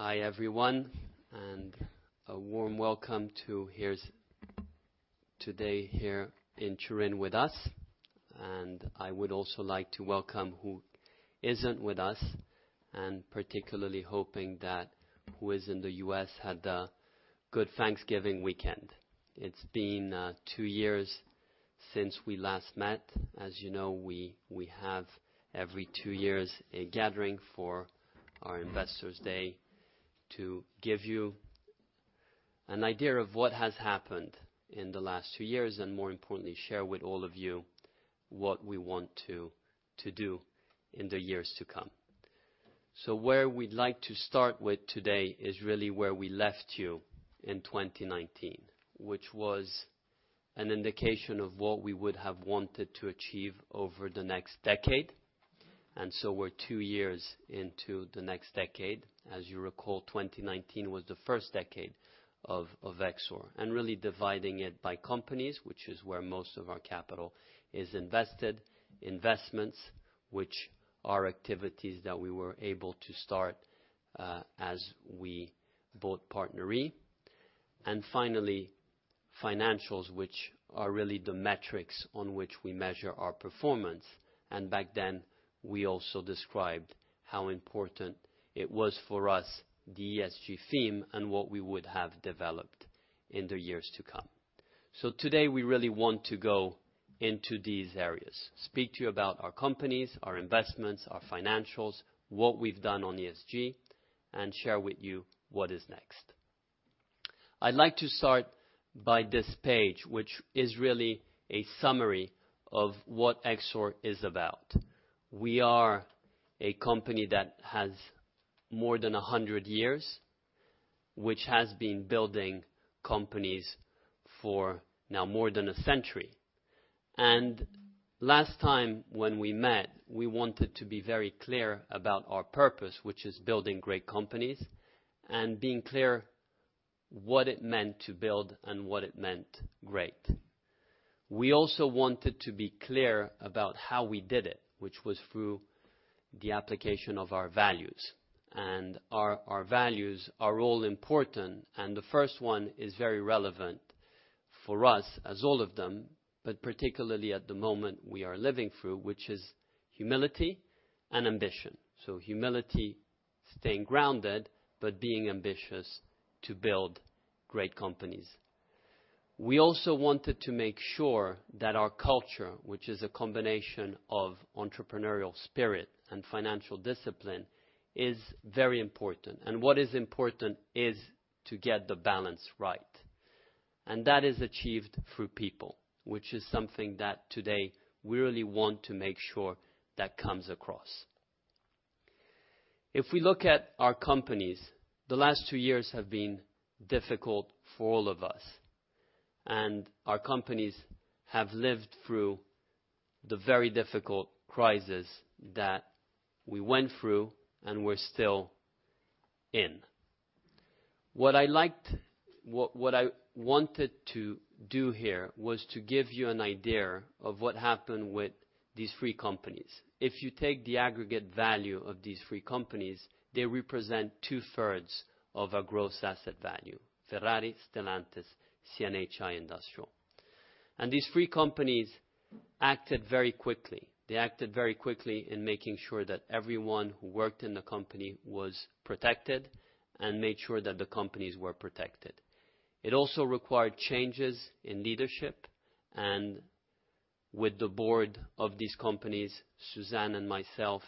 Hi, everyone, a warm welcome to Exor's today here in Turin with us. I would also like to welcome who isn't with us, particularly hoping that who is in the U.S. had a good Thanksgiving weekend. It's been two years since we last met. As you know, we have every two years a gathering for our Investors Day to give you an idea of what has happened in the last two years, and more importantly, share with all of you what we want to do in the years to come. Where we'd like to start with today is really where we left you in 2019, which was an indication of what we would have wanted to achieve over the next decade. We're two years into the next decade. As you recall, 2019 was the first decade of Exor. Really dividing it by companies, which is where most of our capital is invested in investments, which are activities that we were able to start as we bought PartnerRe. Finally, financials, which are really the metrics on which we measure our performance. Back then, we also described how important it was for us, the ESG theme, and what we would have developed in the years to come. Today, we really want to go into these areas, speak to you about our companies, our investments, our financials, what we've done on ESG, and share with you what is next. I'd like to start by this page, which is really a summary of what Exor is about. We are a company that has more than 100 years, which has been building companies for now more than a century. Last time when we met, we wanted to be very clear about our purpose, which is building great companies, and being clear what it meant to build and what it meant great. We also wanted to be clear about how we did it, which was through the application of our values. Our values are all important, and the first one is very relevant for us as all of them, but particularly at the moment we are living through, which is humility and ambition. Humility, staying grounded, but being ambitious to build great companies. We also wanted to make sure that our culture, which is a combination of entrepreneurial spirit and financial discipline, is very important. What is important is to get the balance right. That is achieved through people, which is something that today we really want to make sure that comes across. If we look at our companies, the last two years have been difficult for all of us, and our companies have lived through the very difficult crisis that we went through and we're still in. What I wanted to do here was to give you an idea of what happened with these three companies. If you take the aggregate value of these three companies, they represent two-thirds of our gross asset value, Ferrari, Stellantis, CNH Industrial. These three companies acted very quickly. They acted very quickly in making sure that everyone who worked in the company was protected and made sure that the companies were protected. It also required changes in leadership, and with the board of these companies, Suzanne and myself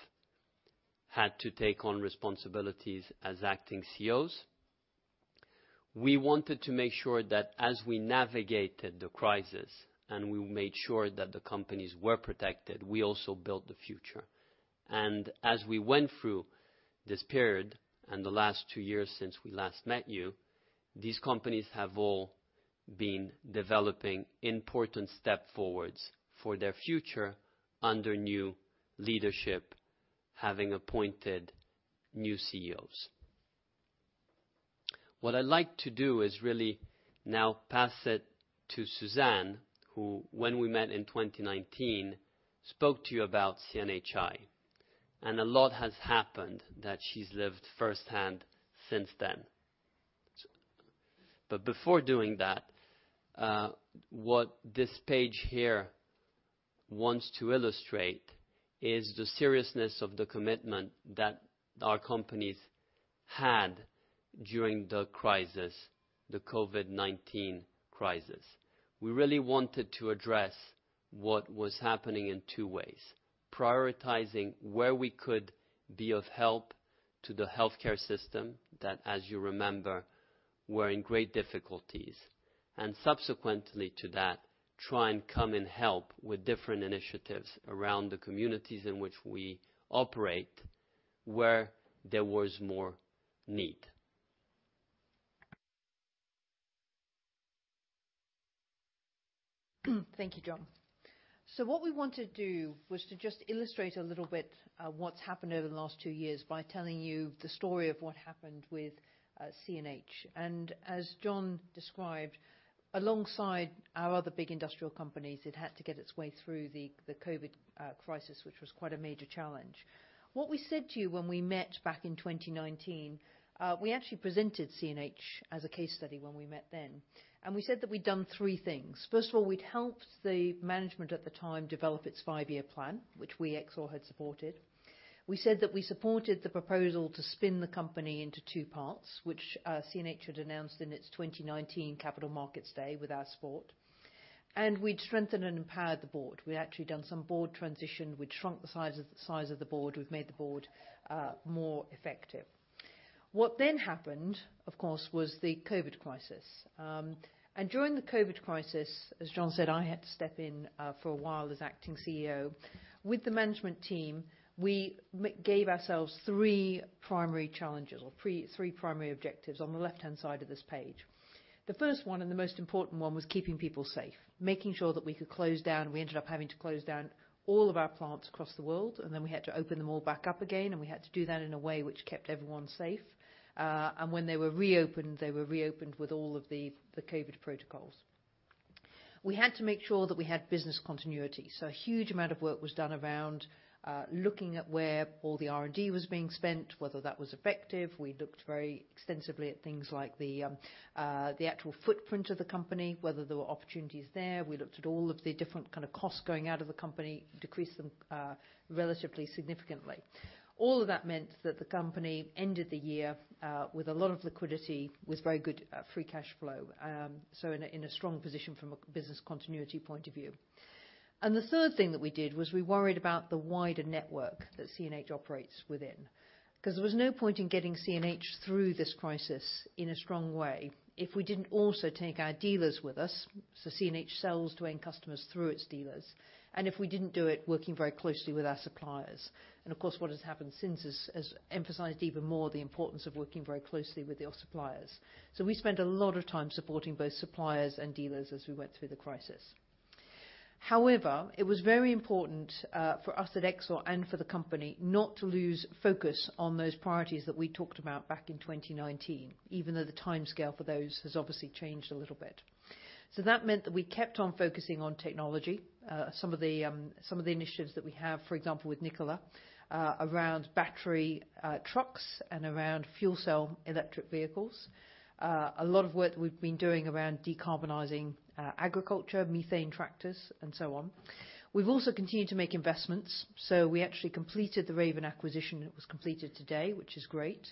had to take on responsibilities as acting Chief Executive Officers. We wanted to make sure that as we navigated the crisis, and we made sure that the companies were protected, we also built the future. As we went through this period and the last two years since we last met you, these companies have all been developing important step forwards for their future under new leadership, having appointed new Chief Executive Officers. What I'd like to do is really now pass it to Suzanne, who, when we met in 2019, spoke to you about CNHI. A lot has happened that she's lived firsthand since then. Before doing that, what this page here wants to illustrate is the seriousness of the commitment that our companies had during the crisis, the COVID-19 crisis. We really wanted to address what was happening in two ways, prioritizing where we could be of help to the healthcare system that, as you remember, were in great difficulties. Subsequently to that, try and come and help with different initiatives around the communities in which we operate, where there was more need. Thank you, John. So what we want to do was to just illustrate a little bit what's happened over the last two years by telling you the story of what happened with CNH. As John described, alongside our other big industrial companies, it had to get its way through the COVID crisis, which was quite a major challenge. What we said to you when we met back in 2019, we actually presented CNH as a case study when we met then, and we said that we'd done three things. First of all, we'd helped the management at the time develop its five-year plan, which we, Exor, had supported. We said that we supported the proposal to spin the company into two parts, which CNH had announced in its 2019 capital markets day with our support. We'd strengthened and empowered the board. We'd actually done some board transition. We'd shrunk the size of the board. We'd made the board more effective. What then happened, of course, was the COVID crisis. During the COVID crisis, as John said, I had to step in for a while as acting Chief Executive Officer. With the management team, we gave ourselves three primary challenges or three primary objectives on the left-hand side of this page. The first one and the most important one was keeping people safe, making sure that we could close down. We ended up having to close down all of our plants across the world, and then we had to open them all back up again, and we had to do that in a way which kept everyone safe. When they were reopened, they were reopened with all of the COVID protocols. We had to make sure that we had business continuity, so a huge amount of work was done around looking at where all the R&D was being spent, whether that was effective. We looked very extensively at things like the actual footprint of the company, whether there were opportunities there. We looked at all of the different kind of costs going out of the company, decreased them relatively significantly. All of that meant that the company ended the year with a lot of liquidity, with very good free cash flow. So in a strong position from a business continuity point of view. The third thing that we did was we worried about the wider network that CNH operates within. 'Cause there was no point in getting CNH through this crisis in a strong way if we didn't also take our dealers with us, so CNH sells to end customers through its dealers, and if we didn't do it working very closely with our suppliers. Of course, what has happened since has emphasized even more the importance of working very closely with your suppliers. We spent a lot of time supporting both suppliers and dealers as we went through the crisis. However, it was very important for us at Exor and for the company not to lose focus on those priorities that we talked about back in 2019, even though the timescale for those has obviously changed a little bit. That meant that we kept on focusing on technology. Some of the initiatives that we have, for example, with Nikola, around battery trucks and around fuel cell electric vehicles. A lot of work that we've been doing around decarbonizing agriculture, methane tractors, and so on. We've also continued to make investments. We actually completed the Raven acquisition. It was completed today, which is great.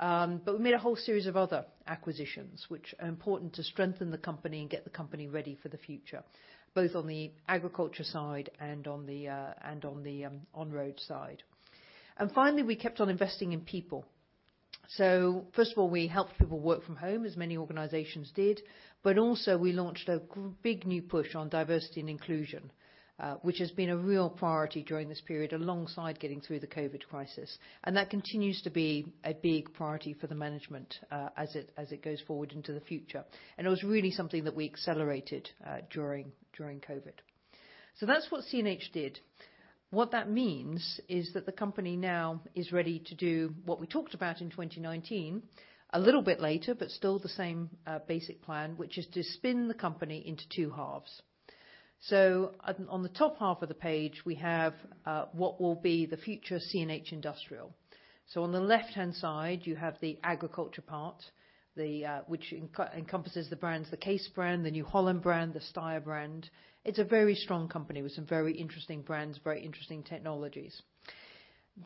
We made a whole series of other acquisitions which are important to strengthen the company and get the company ready for the future, both on the agriculture side and on the on-road side. Finally, we kept on investing in people. First of all, we helped people work from home, as many organizations did, but also we launched a big new push on diversity and inclusion, which has been a real priority during this period, alongside getting through the COVID crisis. That continues to be a big priority for the management, as it goes forward into the future. It was really something that we accelerated during COVID. That's what CNH did. What that means is that the company now is ready to do what we talked about in 2019 a little bit later, but still the same basic plan, which is to spin the company into two halves. On the top half of the page, we have what will be the future CNH Industrial. On the left-hand side, you have the agriculture part, which encompasses the brands, the Case IH brand, the New Holland brand, the STEYR brand. It's a very strong company with some very interesting brands, very interesting technologies.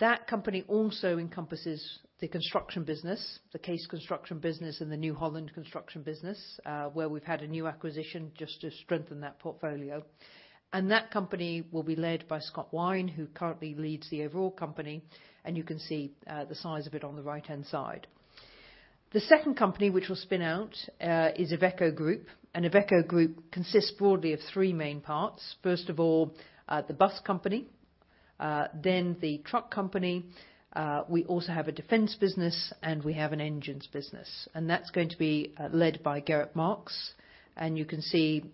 That company also encompasses the construction business, the CASE construction business, and the New Holland Construction business, where we've had a new acquisition just to strengthen that portfolio. That company will be led by Scott Wine, who currently leads the overall company, and you can see the size of it on the right-hand side. The second company which we'll spin out is Iveco Group, and Iveco Group consists broadly of three main parts. First of all, the bus company, then the truck company. We also have a defense business, and we have an engines business, and that's going to be led by Gerrit Marx. You can see,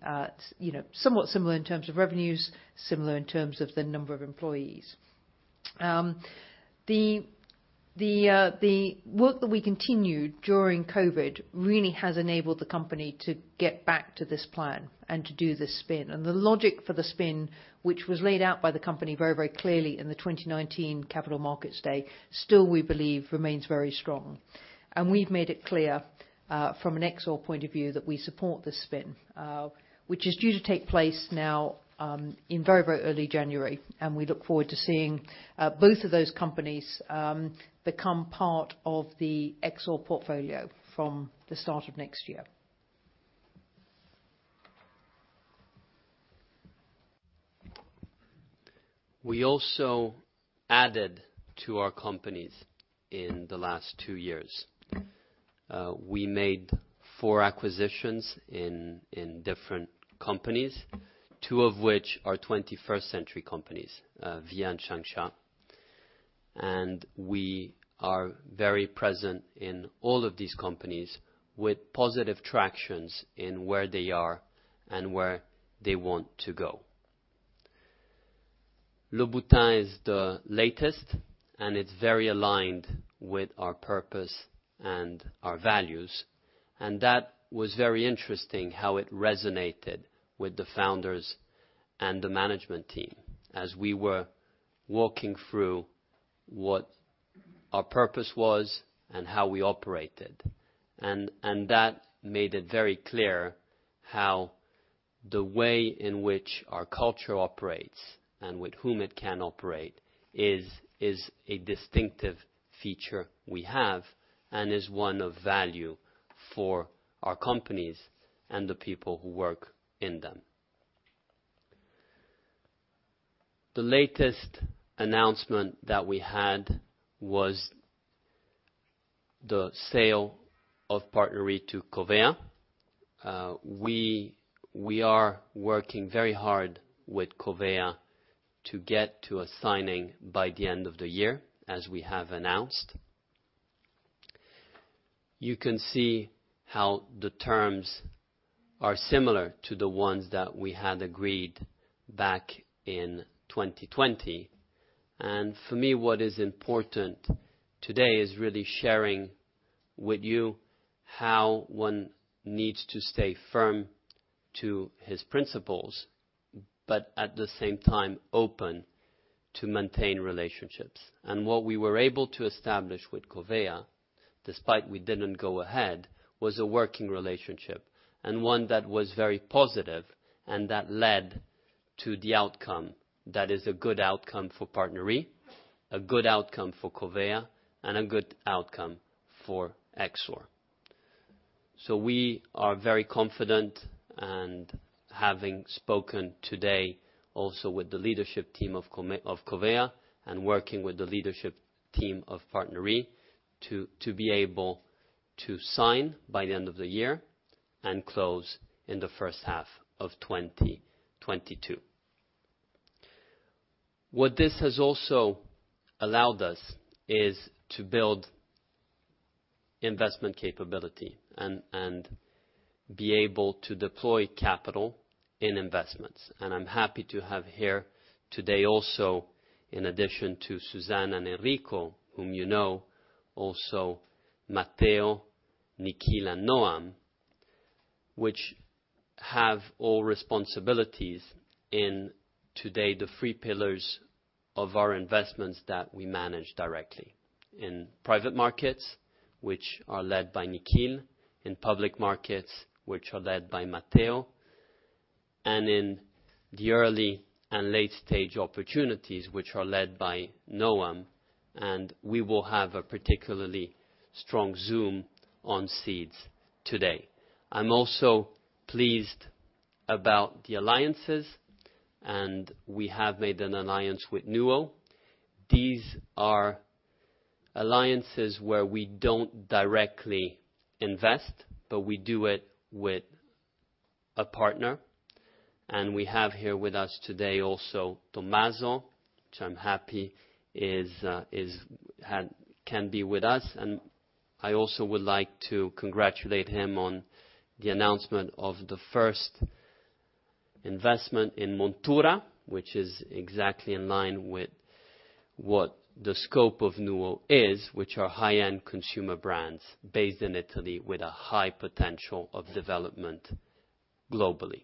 you know, somewhat similar in terms of revenues, similar in terms of the number of employees. The work that we continued during COVID really has enabled the company to get back to this plan and to do this spin, and the logic for the spin, which was laid out by the company very, very clearly in the 2019 capital markets day, still, we believe, remains very strong. We've made it clear, from an Exor point of view that we support this spin, which is due to take place now, in very, very early January, and we look forward to seeing both of those companies become part of the Exor portfolio from the start of next year. We also added to our companies in the last two years. We made four acquisitions in different companies, two of which are twenty-first century companies, Via, Shang Xia, and we are very present in all of these companies with positive traction in where they are and where they want to go. Louboutin is the latest, and it's very aligned with our purpose and our values. That was very interesting how it resonated with the founders and the management team as we were walking through what our purpose was and how we operated. That made it very clear how the way in which our culture operates and with whom it can operate is a distinctive feature we have, and is one of value for our companies and the people who work in them. The latest announcement that we had was the sale of PartnerRe to Covéa. We are working very hard with Covéa to get to a signing by the end of the year, as we have announced. You can see how the terms are similar to the ones that we had agreed back in 2020. For me, what is important today is really sharing with you how one needs to stay firm to his principles, but at the same time open to maintain relationships. What we were able to establish with Covéa, despite we didn't go ahead, was a working relationship and one that was very positive and that led to the outcome that is a good outcome for PartnerRe, a good outcome for Covéa, and a good outcome for Exor. We are very confident and having spoken today also with the leadership team of Covéa and working with the leadership team of PartnerRe to be able to sign by the end of the year and close in the first half of 2022. What this has also allowed us is to build investment capability and be able to deploy capital in investments. I'm happy to have here today also, in addition to Suzanne and Enrico, whom you know, also Matteo, Nikhil and Noam, which have all responsibilities in today the three pillars of our investments that we manage directly. In private markets, which are led by Nikhil, in public markets, which are led by Matteo, and in the early and late stage opportunities, which are led by Noam, and we will have a particularly strong zoom on seeds today. I'm also pleased about the alliances, and we have made an alliance with NUO. These are alliances where we don't directly invest, but we do it with a partner. We have here with us today also Tommaso, which I'm happy can be with us. I also would like to congratulate him on the announcement of the first investment in Montura, which is exactly in line with what the scope of NUO is, which are high-end consumer brands based in Italy with a high potential of development globally.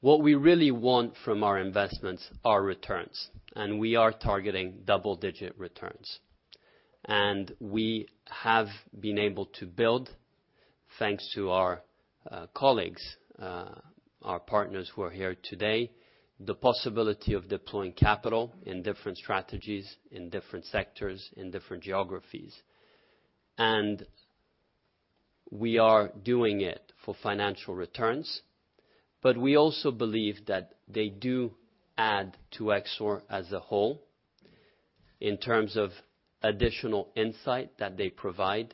What we really want from our investments are returns, and we are targeting double-digit returns. We have been able to build, thanks to our colleagues, our partners who are here today, the possibility of deploying capital in different strategies, in different sectors, in different geographies. We are doing it for financial returns, but we also believe that they do add to Exor as a whole in terms of additional insight that they provide,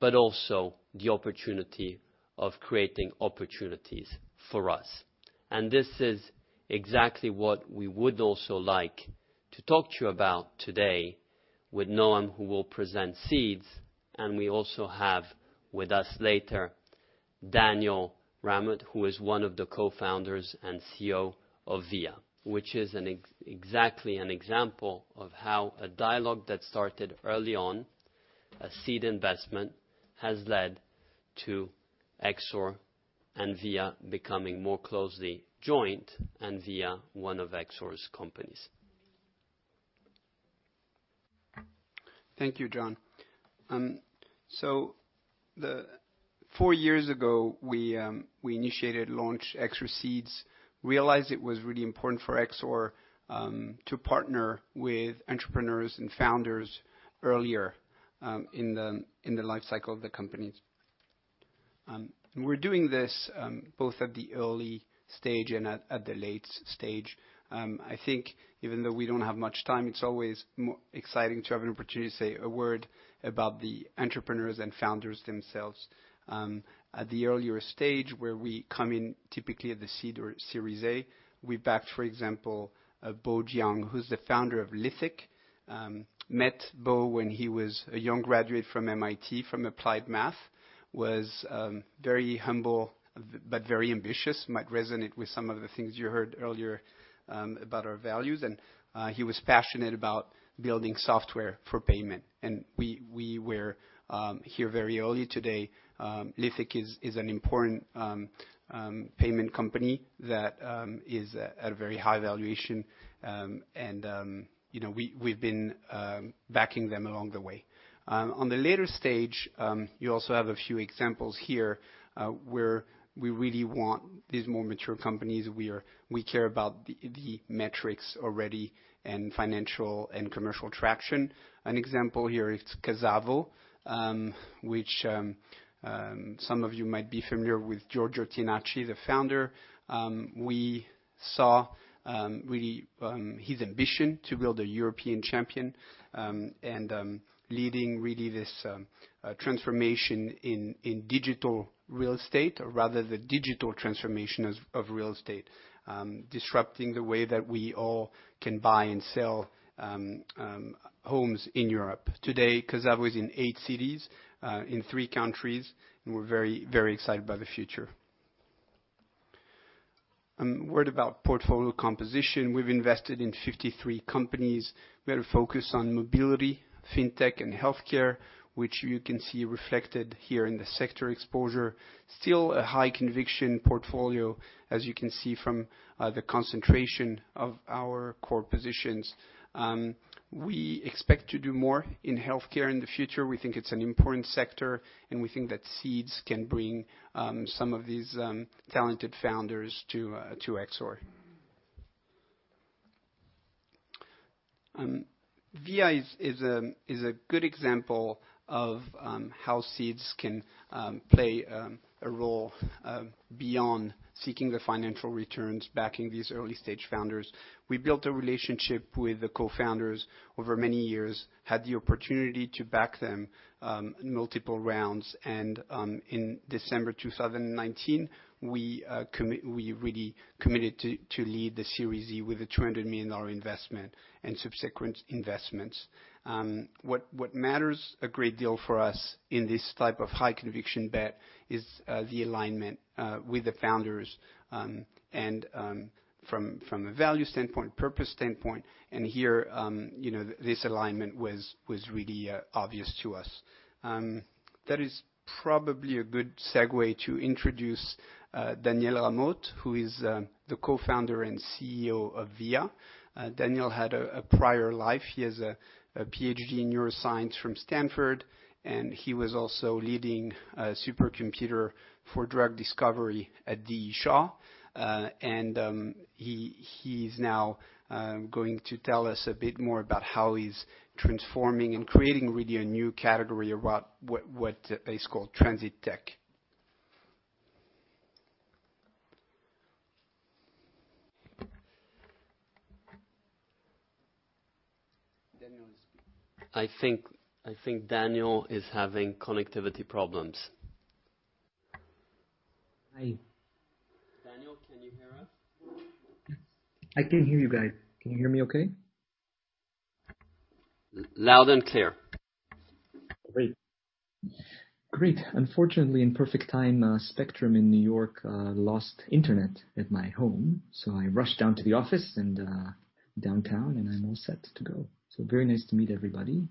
but also the opportunity of creating opportunities for us. This is exactly what we would also like to talk to you about today with Noam, who will present seeds. We also have with us later Daniel Ramot, who is one of the co-founders and Chief Executive Officer of Via, which is an exactly an example of how a dialogue that started early on, a seed investment, has led to Exor and Via becoming more closely joined and Via one of Exor's companies. Thank you, John. So four years ago, we initiated, launched Exor Seeds, realized it was really important for Exor to partner with entrepreneurs and founders earlier in the life cycle of the companies. We're doing this both at the early stage and at the late stage. I think even though we don't have much time, it's always exciting to have an opportunity to say a word about the entrepreneurs and founders themselves. At the earlier stage where we come in typically at the seed or Series A, we backed, for example, Bo Jiang, who's the founder of Lithic. Met Bo when he was a young graduate from MIT from applied math, was very humble but very ambitious. Might resonate with some of the things you heard earlier about our values and he was passionate about building software for payment. We were here very early today. Lithic is an important payment company that is at a very high valuation. You know, we've been backing them along the way. On the later stage, you also have a few examples here where we really want these more mature companies. We care about the metrics already and financial and commercial traction. An example here is Casavo, which some of you might be familiar with Giorgio Tinacci, the founder. We saw really his ambition to build a European champion and leading really this transformation in digital real estate or rather the digital transformation of real estate, disrupting the way that we all can buy and sell homes in Europe. Today, Casavo is in eight cities in three countries, and we're very, very excited about the future. A word about portfolio composition. We've invested in 53 companies. We are focused on mobility, fintech, and healthcare, which you can see reflected here in the sector exposure. Still a high conviction portfolio, as you can see from the concentration of our core positions. We expect to do more in healthcare in the future. We think it's an important sector, and we think that Seeds can bring some of these talented founders to Exor. Via is a good example of how Seeds can play a role beyond seeking the financial returns, backing these early-stage founders. We built a relationship with the co-founders over many years, had the opportunity to back them in multiple rounds and in December 2019, we really committed to lead the Series E with a $200 million investment and subsequent investments. What matters a great deal for us in this type of high conviction bet is the alignment with the founders and from a value standpoint, purpose standpoint. Here, you know, this alignment was really obvious to us. That is probably a good segue to introduce Daniel Ramot, who is the Co-founder and Chief Executive Officer of Via. Daniel had a prior life. He has a PhD in neuroscience from Stanford, and he was also leading a supercomputer for drug discovery at D. E. Shaw. He's now going to tell us a bit more about how he's transforming and creating really a new category about what they call transit tech. Daniel is- I think Daniel is having connectivity problems. Hi. Daniel, can you hear us? I can hear you guys. Can you hear me okay? Loud and clear. Great. Great. Unfortunately, in perfect time, Spectrum in N.Y. lost internet at my home, so I rushed down to the office and downtown, and I'm all set to go. Very nice to meet everybody.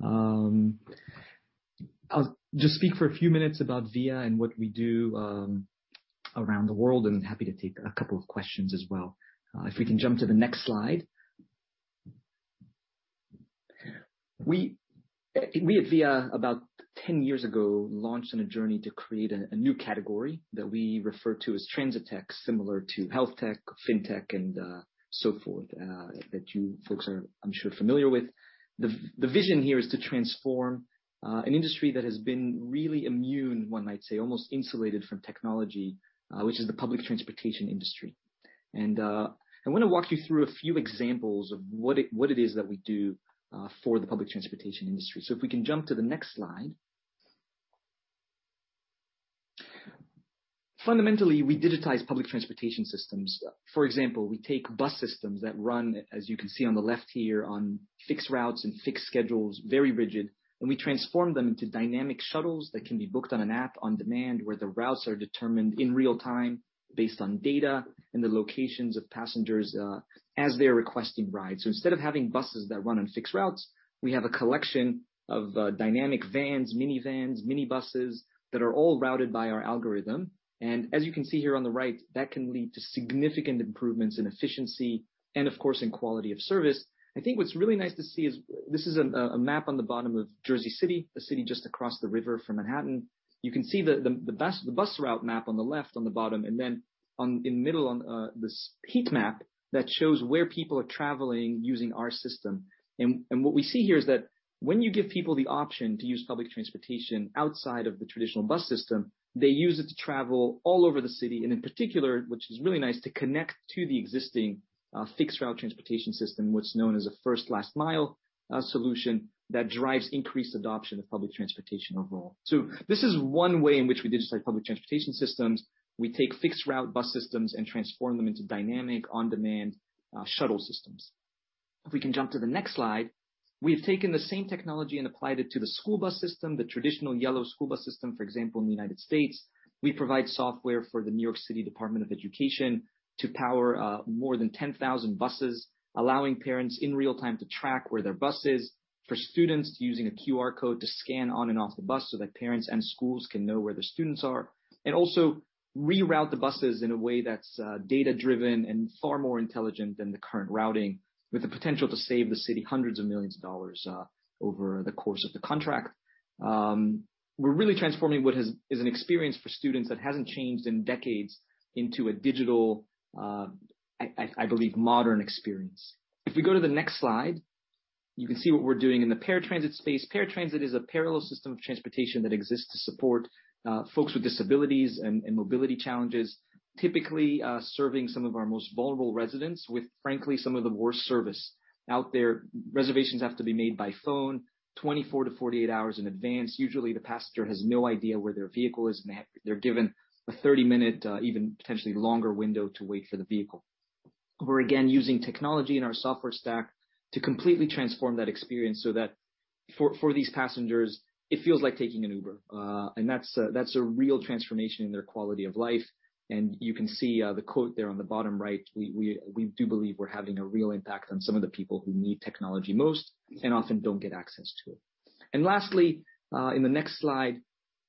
I'll just speak for a few minutes about Via and what we do around the world, and happy to take a couple of questions as well. If we can jump to the next slide. We at Via about 10 years ago launched on a journey to create a new category that we refer to as transit tech, similar to health tech, fintech and so forth that you folks are, I'm sure, familiar with. The vision here is to transform an industry that has been really immune, one might say, almost insulated from technology, which is the public transportation industry. I wanna walk you through a few examples of what it is that we do for the public transportation industry. If we can jump to the next slide. Fundamentally, we digitize public transportation systems. For example, we take bus systems that run, as you can see on the left here, on fixed routes and fixed schedules, very rigid, and we transform them into dynamic shuttles that can be booked on an app on demand, where the routes are determined in real time based on data and the locations of passengers, as they're requesting rides. Instead of having buses that run on fixed routes, we have a collection of dynamic vans, minivans, minibuses that are all routed by our algorithm. As you can see here on the right, that can lead to significant improvements in efficiency and, of course, in quality of service. I think what's really nice to see is this is a map on the bottom of Jersey City, a city just across the river from Manhattan. You can see the bus route map on the left on the bottom and then in the middle on this heat map that shows where people are traveling using our system. What we see here is that when you give people the option to use public transportation outside of the traditional bus system, they use it to travel all over the city and in particular, which is really nice, to connect to the existing fixed route transportation system, what's known as a first/last mile solution that drives increased adoption of public transportation overall. This is one way in which we digitize public transportation systems. We take fixed route bus systems and transform them into dynamic on-demand shuttle systems. If we can jump to the next slide. We've taken the same technology and applied it to the school bus system, the traditional yellow school bus system, for example, in the U.S.. We provide software for the N.Y. City Department of Education to power more than 10,000 buses, allowing parents in real time to track where their bus is. For students, using a QR code to scan on and off the bus so that parents and schools can know where their students are. Also reroute the buses in a way that's data-driven and far more intelligent than the current routing, with the potential to save the city hundreds of millions dollars over the course of the contract. We're really transforming what is an experience for students that hasn't changed in decades into a digital I believe modern experience. If we go to the next slide, you can see what we're doing in the paratransit space. Paratransit is a parallel system of transportation that exists to support folks with disabilities and mobility challenges, typically serving some of our most vulnerable residents with, frankly, some of the worst service out there. Reservations have to be made by phone 24-48 hours in advance. Usually, the passenger has no idea where their vehicle is. They're given a 30-minute, even potentially longer window to wait for the vehicle. We're again using technology in our software stack to completely transform that experience so that for these passengers, it feels like taking an Uber. That's a real transformation in their quality of life. You can see the quote there on the bottom right. We do believe we're having a real impact on some of the people who need technology most and often don't get access to it. Last, in the next slide,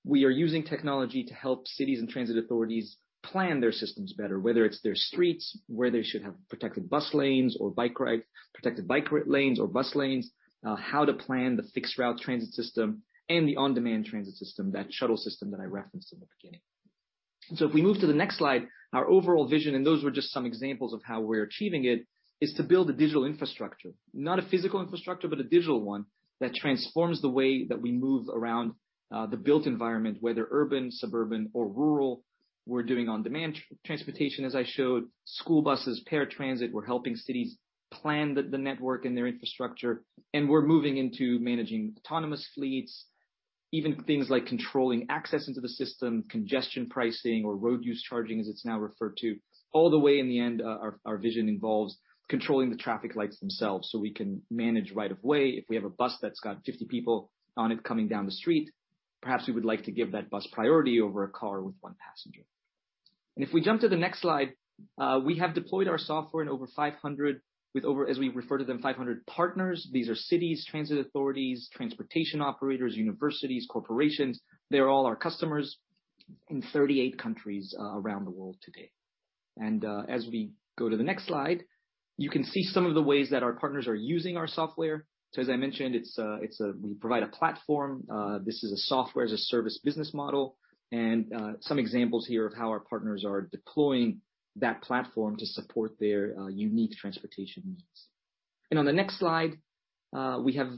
we are using technology to help cities and transit authorities plan their systems better, whether it's their streets, where they should have protected bus lanes or protected bike lanes or bus lanes, how to plan the fixed route transit system and the on-demand transit system, that shuttle system that I referenced in the beginning. If we move to the next slide, our overall vision, and those were just some examples of how we're achieving it, is to build a digital infrastructure. Not a physical infrastructure, but a digital one that transforms the way that we move around the built environment, whether urban, suburban or rural. We're doing on-demand transportation, as I showed, school buses, paratransit. We're helping cities plan the network and their infrastructure, and we're moving into managing autonomous fleets, even things like controlling access into the system, congestion pricing or road use charging, as it's now referred to. Our vision involves controlling the traffic lights themselves, so we can manage right of way. If we have a bus that's got 50 people on it coming down the street, perhaps we would like to give that bus priority over a car with one passenger. If we jump to the next slide, we have deployed our software with over 500 partners, as we refer to them. These are cities, transit authorities, transportation operators, universities, corporations. They're all our customers in 38 countries around the world today. As we go to the next slide, you can see some of the ways that our partners are using our software. As I mentioned, we provide a platform. This is a Software as a Service business model. Some examples here of how our partners are deploying that platform to support their unique transportation needs. On the next slide, we have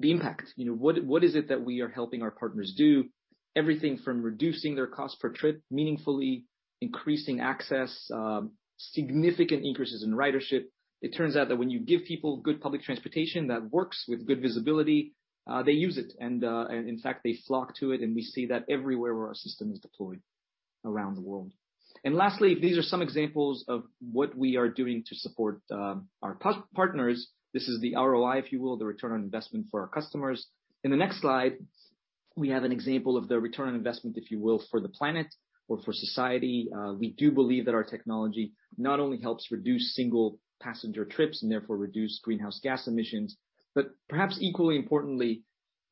the impact. What is it that we are helping our partners do? Everything from reducing their cost per trip, meaningfully increasing access, significant increases in ridership. It turns out that when you give people good public transportation that works with good visibility, they use it. In fact, they flock to it, and we see that everywhere where our system is deployed around the world. Lastly, these are some examples of what we are doing to support our partners. This is the ROI, if you will, the return on investment for our customers. In the next slide, we have an example of the return on investment, if you will, for the planet or for society. We do believe that our technology not only helps reduce single passenger trips and therefore reduce greenhouse gas emissions, but perhaps equally importantly,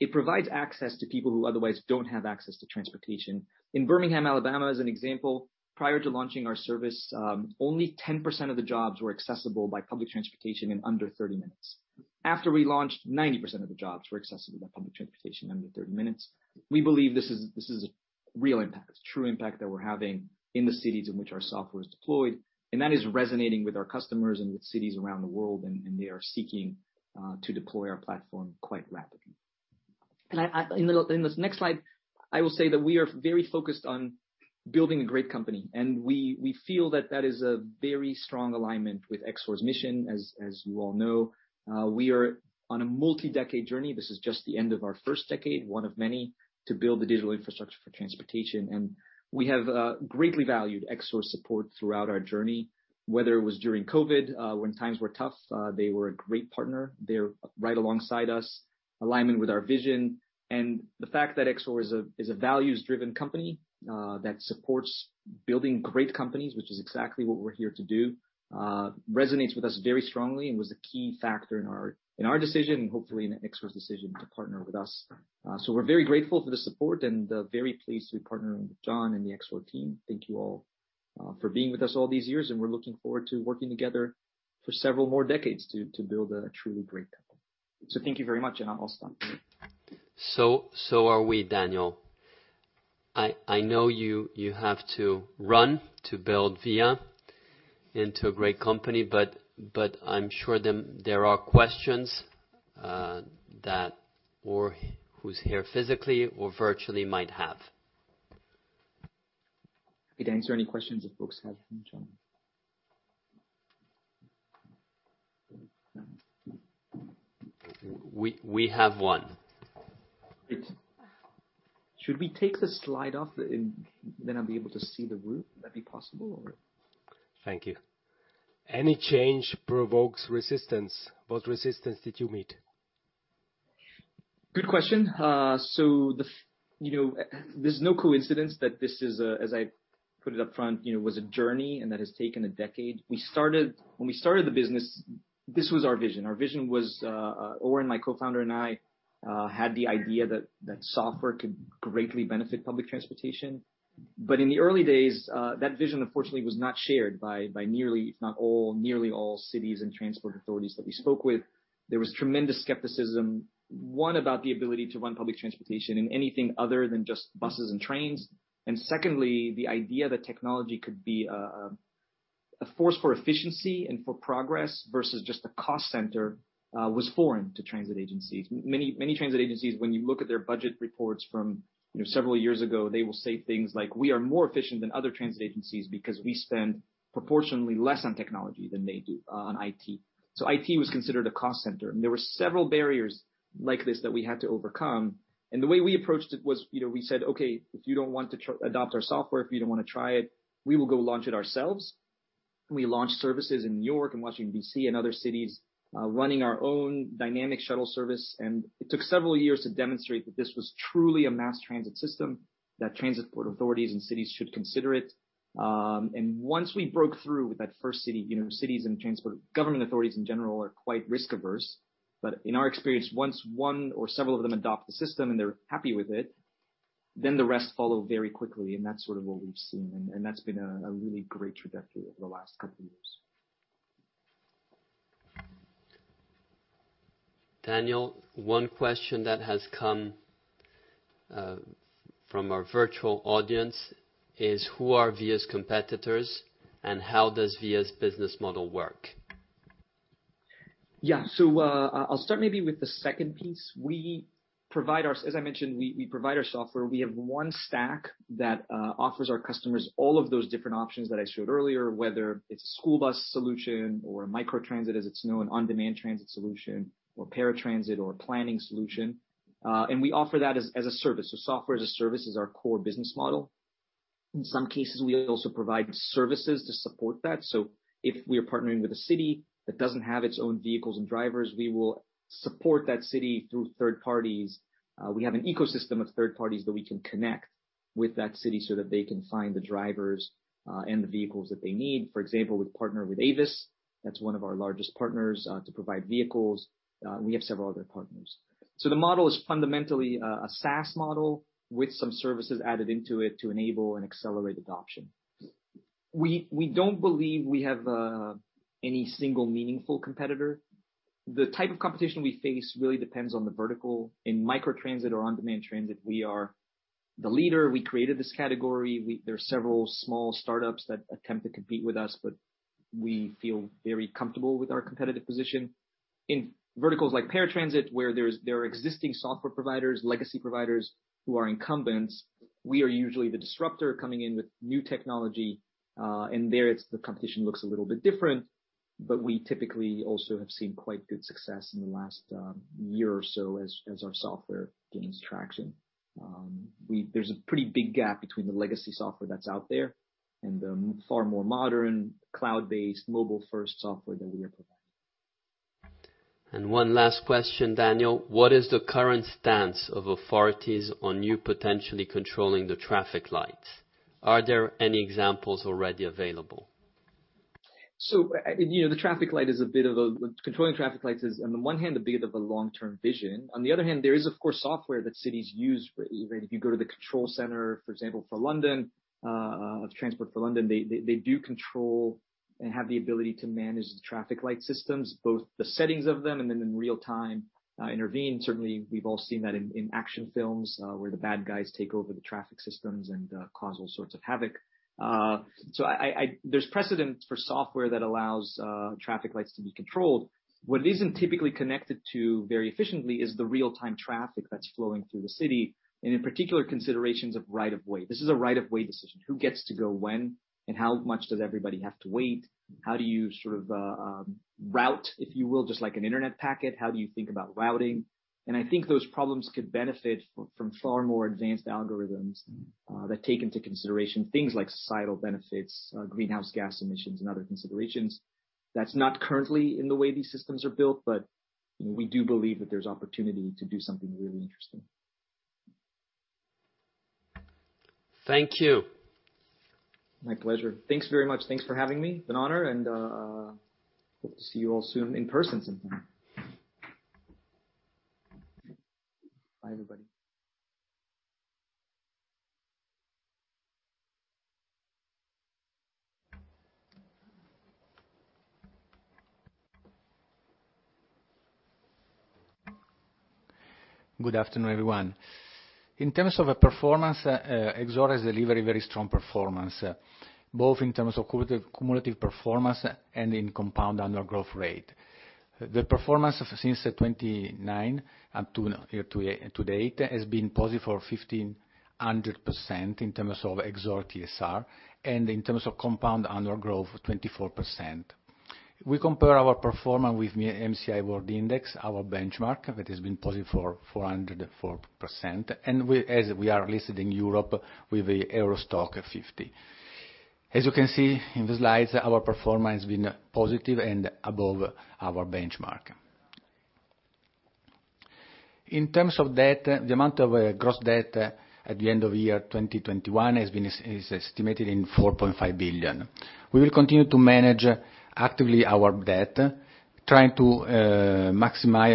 it provides access to people who otherwise don't have access to transportation. In Birmingham, Alabama, as an example, prior to launching our service, only 10% of the jobs were accessible by public transportation in under 30 minutes. After we launched, 90% of the jobs were accessible by public transportation in under 30 minutes. We believe this is real impact, true impact that we're having in the cities in which our software is deployed, and that is resonating with our customers and with cities around the world, and they are seeking to deploy our platform quite rapidly. In this next slide, I will say that we are very focused on building a great company, and we feel that is a very strong alignment with Exor's mission, as you all know. We are on a multi-decade journey. This is just the end of our first decade, one of many to build the digital infrastructure for transportation. We have greatly valued Exor's support throughout our journey. Whether it was during COVID, when times were tough, they were a great partner. They're right alongside us, alignment with our vision. The fact that Exor is a values-driven company that supports building great companies, which is exactly what we're here to do, resonates with us very strongly and was a key factor in our decision and hopefully in Exor's decision to partner with us. We're very grateful for the support and very pleased to be partnering with John and the Exor team. Thank you all for being with us all these years, and we're looking forward to working together for several more decades to build a truly great company. Thank you very much, and I'm all done. Are we, Daniel, I know you have to run to build Via into a great company, but I'm sure there are questions that, or who's here physically or virtually might have. I could answer any questions that folks have for me, John. We have one. Great. Should we take the slide off? I'll be able to see the room. Would that be possible or? Thank you. Any change provokes resistance. What resistance did you meet? Good question. So you know, there's no coincidence that this is a, as I put it up front, you know, was a journey, and that has taken a decade. When we started the business, this was our vision. Our vision was, Oren, my co-founder, and I had the idea that software could greatly benefit public transportation. But in the early days, that vision, unfortunately, was not shared by nearly all cities and transport authorities that we spoke with. There was tremendous skepticism, one, about the ability to run public transportation in anything other than just buses and trains. Secondly, the idea that technology could be a force for efficiency and for progress versus just a cost center was foreign to transit agencies. Many, many transit agencies, when you look at their budget reports from, you know, several years ago, they will say things like, "We are more efficient than other transit agencies because we spend proportionally less on technology than they do on IT." IT was considered a cost center. There were several barriers like this that we had to overcome. The way we approached it was, you know, we said, "Okay, if you don't want to adopt our software, if you don't wanna try it, we will go launch it ourselves." We launched services in N.Y. and Washington, D.C. and other cities, running our own dynamic shuttle service, and it took several years to demonstrate that this was truly a mass transit system, that transit authorities and cities should consider it. Once we broke through with that first city, you know, cities and transportation government authorities in general are quite risk-averse. In our experience, once one or several of them adopt the system and they're happy with it, then the rest follow very quickly. That's sort of what we've seen. That's been a really great trajectory over the last couple of years. Daniel, one question that has come from our virtual audience is who are Via's competitors, and how does Via's business model work? I'll start maybe with the second piece. As I mentioned, we provide our software. We have one stack that offers our customers all of those different options that I showed earlier, whether it's a school bus solution or a microtransit, as it's known, on-demand transit solution or paratransit or planning solution. We offer that as a service. Software as a Service is our core business model. In some cases, we also provide services to support that. If we are partnering with a city that doesn't have its own vehicles and drivers, we will support that city through third parties. We have an ecosystem of third parties that we can connect with that city so that they can find the drivers and the vehicles that they need. For example, we partner with Avis. That's one of our largest partners to provide vehicles. We have several other partners. The model is fundamentally a SaaS model with some services added into it to enable and accelerate adoption. We don't believe we have any single meaningful competitor. The type of competition we face really depends on the vertical. In microtransit or on-demand transit, we are the leader. We created this category. There are several small startups that attempt to compete with us, but we feel very comfortable with our competitive position. In verticals like paratransit, where there are existing software providers, legacy providers who are incumbents, we are usually the disruptor coming in with new technology, and there the competition looks a little bit different. We typically also have seen quite good success in the last year or so as our software gains traction. There's a pretty big gap between the legacy software that's out there and the far more modern cloud-based mobile-first software that we are providing. One last question, Daniel. What is the current stance of authorities on you potentially controlling the traffic lights? Are there any examples already available? You know, controlling traffic lights is, on the one hand, a bit of a long-term vision. On the other hand, there is, of course, software that cities use for it. If you go to the control center, for example, for London, of Transport for London, they do control and have the ability to manage the traffic light systems, both the settings of them and then in real-time, intervene. Certainly, we've all seen that in action films, where the bad guys take over the traffic systems and cause all sorts of havoc. There's precedent for software that allows traffic lights to be controlled. What it isn't typically connected to very efficiently is the real-time traffic that's flowing through the city, and in particular, considerations of right of way. This is a right of way decision. Who gets to go when and how much does everybody have to wait? How do you sort of route, if you will, just like an internet packet? How do you think about routing? I think those problems could benefit from far more advanced algorithms that take into consideration things like societal benefits, greenhouse gas emissions, and other considerations. That's not currently in the way these systems are built, but we do believe that there's opportunity to do something really interesting. Thank you. My pleasure. Thanks very much. Thanks for having me. It's been an honor, and I hope to see you all soon in person sometime. Bye, everybody. Good afternoon, everyone. In terms of a performance, Exor has delivered very strong performance, both in terms of cumulative performance and in compound annual growth rate. The performance since 1929 until today has been positive for 1,500% in terms of Exor TSR, and in terms of compound annual growth rate, 24%. We compare our performance with MSCI World Index, our benchmark that has been positive for 404%. We are listed in Europe with the EURO STOXX 50. As you can see in the slides, our performance has been positive and above our benchmark. In terms of debt, the amount of gross debt at the end of year 2021 has been estimated in 4.5 billion. We will continue to manage actively our debt, trying to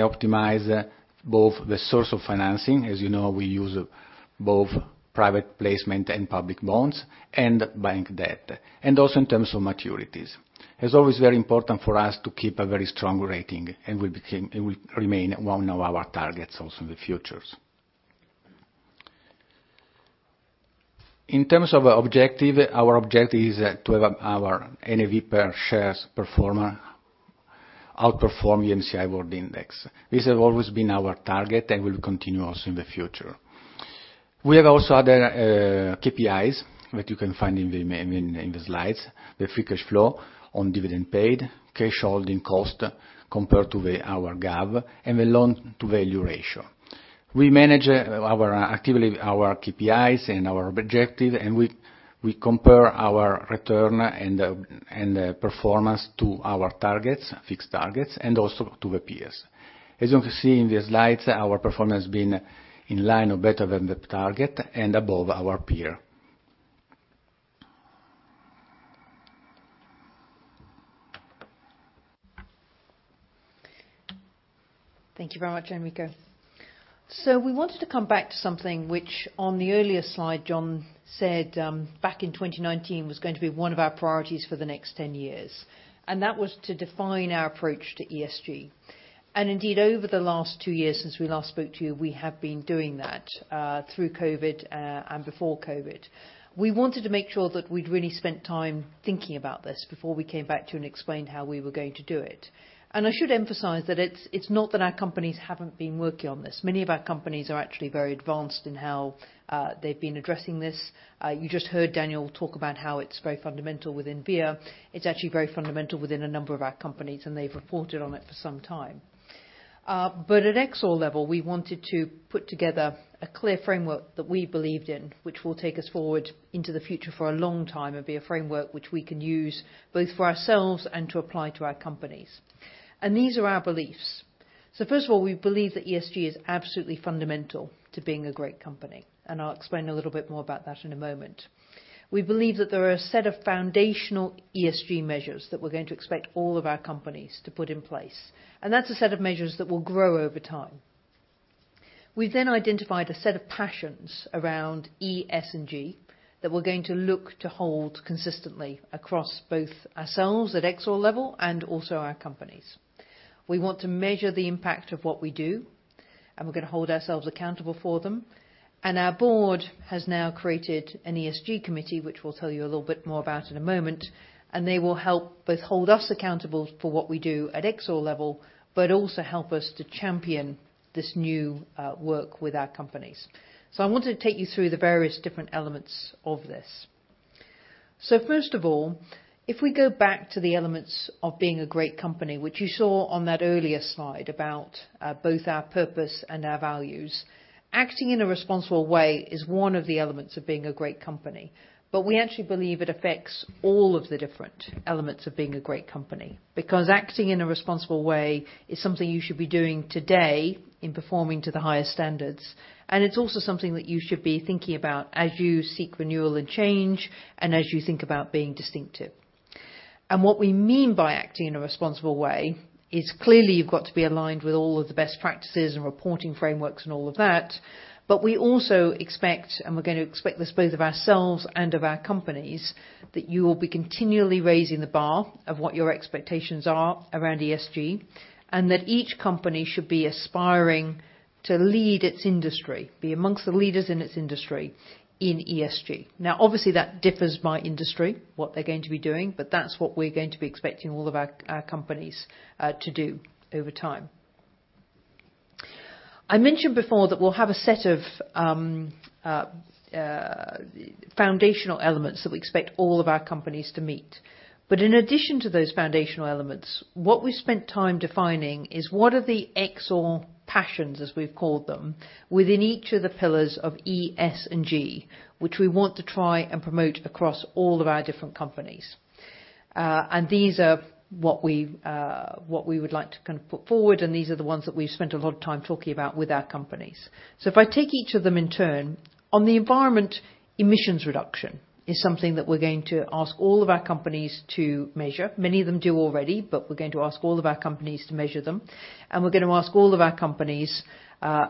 optimize both the source of financing. As you know, we use both private placement and public bonds and bank debt, and also in terms of maturities. As always, very important for us to keep a very strong rating and it will remain one of our targets also in the future. In terms of objective, our objective is to have our NAV per share performance to outperform the MSCI World Index. This has always been our target and will continue also in the future. We have also other KPIs that you can find in the slides. The free cash flow on dividend paid, cash holding cost compared to our GAV and the loan-to-value ratio. We manage actively our KPIs and our objective, and we compare our return and the performance to our targets, fixed targets, and also to the peers. As you can see in the slides, our performance has been in line or better than the target and above our peer. Thank you very much, Enrico. We wanted to come back to something which on the earlier slide, John said, back in 2019 was going to be one of our priorities for the next 10 years, and that was to define our approach to ESG. Indeed, over the last two years since we last spoke to you, we have been doing that, through COVID, and before COVID. We wanted to make sure that we'd really spent time thinking about this before we came back to you and explained how we were going to do it. I should emphasize that it's not that our companies haven't been working on this. Many of our companies are actually very advanced in how they've been addressing this. You just heard Daniel talk about how it's very fundamental within Via. It's actually very fundamental within a number of our companies, and they've reported on it for some time. At Exor level, we wanted to put together a clear framework that we believed in, which will take us forward into the future for a long time and be a framework which we can use both for ourselves and to apply to our companies. These are our beliefs. First of all, we believe that ESG is absolutely fundamental to being a great company, and I'll explain a little bit more about that in a moment. We believe that there are a set of foundational ESG measures that we're going to expect all of our companies to put in place, and that's a set of measures that will grow over time. We've then identified a set of passions around E, S, and G that we're going to look to hold consistently across both ourselves at Exor level and also our companies. We want to measure the impact of what we do, and we're gonna hold ourselves accountable for them. Our board has now created an ESG committee, which we'll tell you a little bit more about in a moment, and they will help both hold us accountable for what we do at Exor level, but also help us to champion this new, work with our companies. I wanted to take you through the various different elements of this. First of all, if we go back to the elements of being a great company, which you saw on that earlier slide about both our purpose and our values, acting in a responsible way is one of the elements of being a great company. We actually believe it affects all of the different elements of being a great company, because acting in a responsible way is something you should be doing today in performing to the highest standards, and it's also something that you should be thinking about as you seek renewal and change, and as you think about being distinctive. What we mean by acting in a responsible way is clearly you've got to be aligned with all of the best practices and reporting frameworks and all of that, but we also expect, and we're gonna expect this both of ourselves and of our companies, that you will be continually raising the bar of what your expectations are around ESG, and that each company should be aspiring to lead its industry, be amongst the leaders in its industry in ESG. Now, obviously, that differs by industry, what they're going to be doing, but that's what we're going to be expecting all of our companies to do over time. I mentioned before that we'll have a set of foundational elements that we expect all of our companies to meet. In addition to those foundational elements, what we spent time defining is what are the Exor passions, as we've called them, within each of the pillars of E, S, and G, which we want to try and promote across all of our different companies. These are what we would like to kind of put forward, and these are the ones that we've spent a lot of time talking about with our companies. If I take each of them in turn, on the environment, emissions reduction is something that we're going to ask all of our companies to measure. Many of them do already, but we're going to ask all of our companies to measure them and,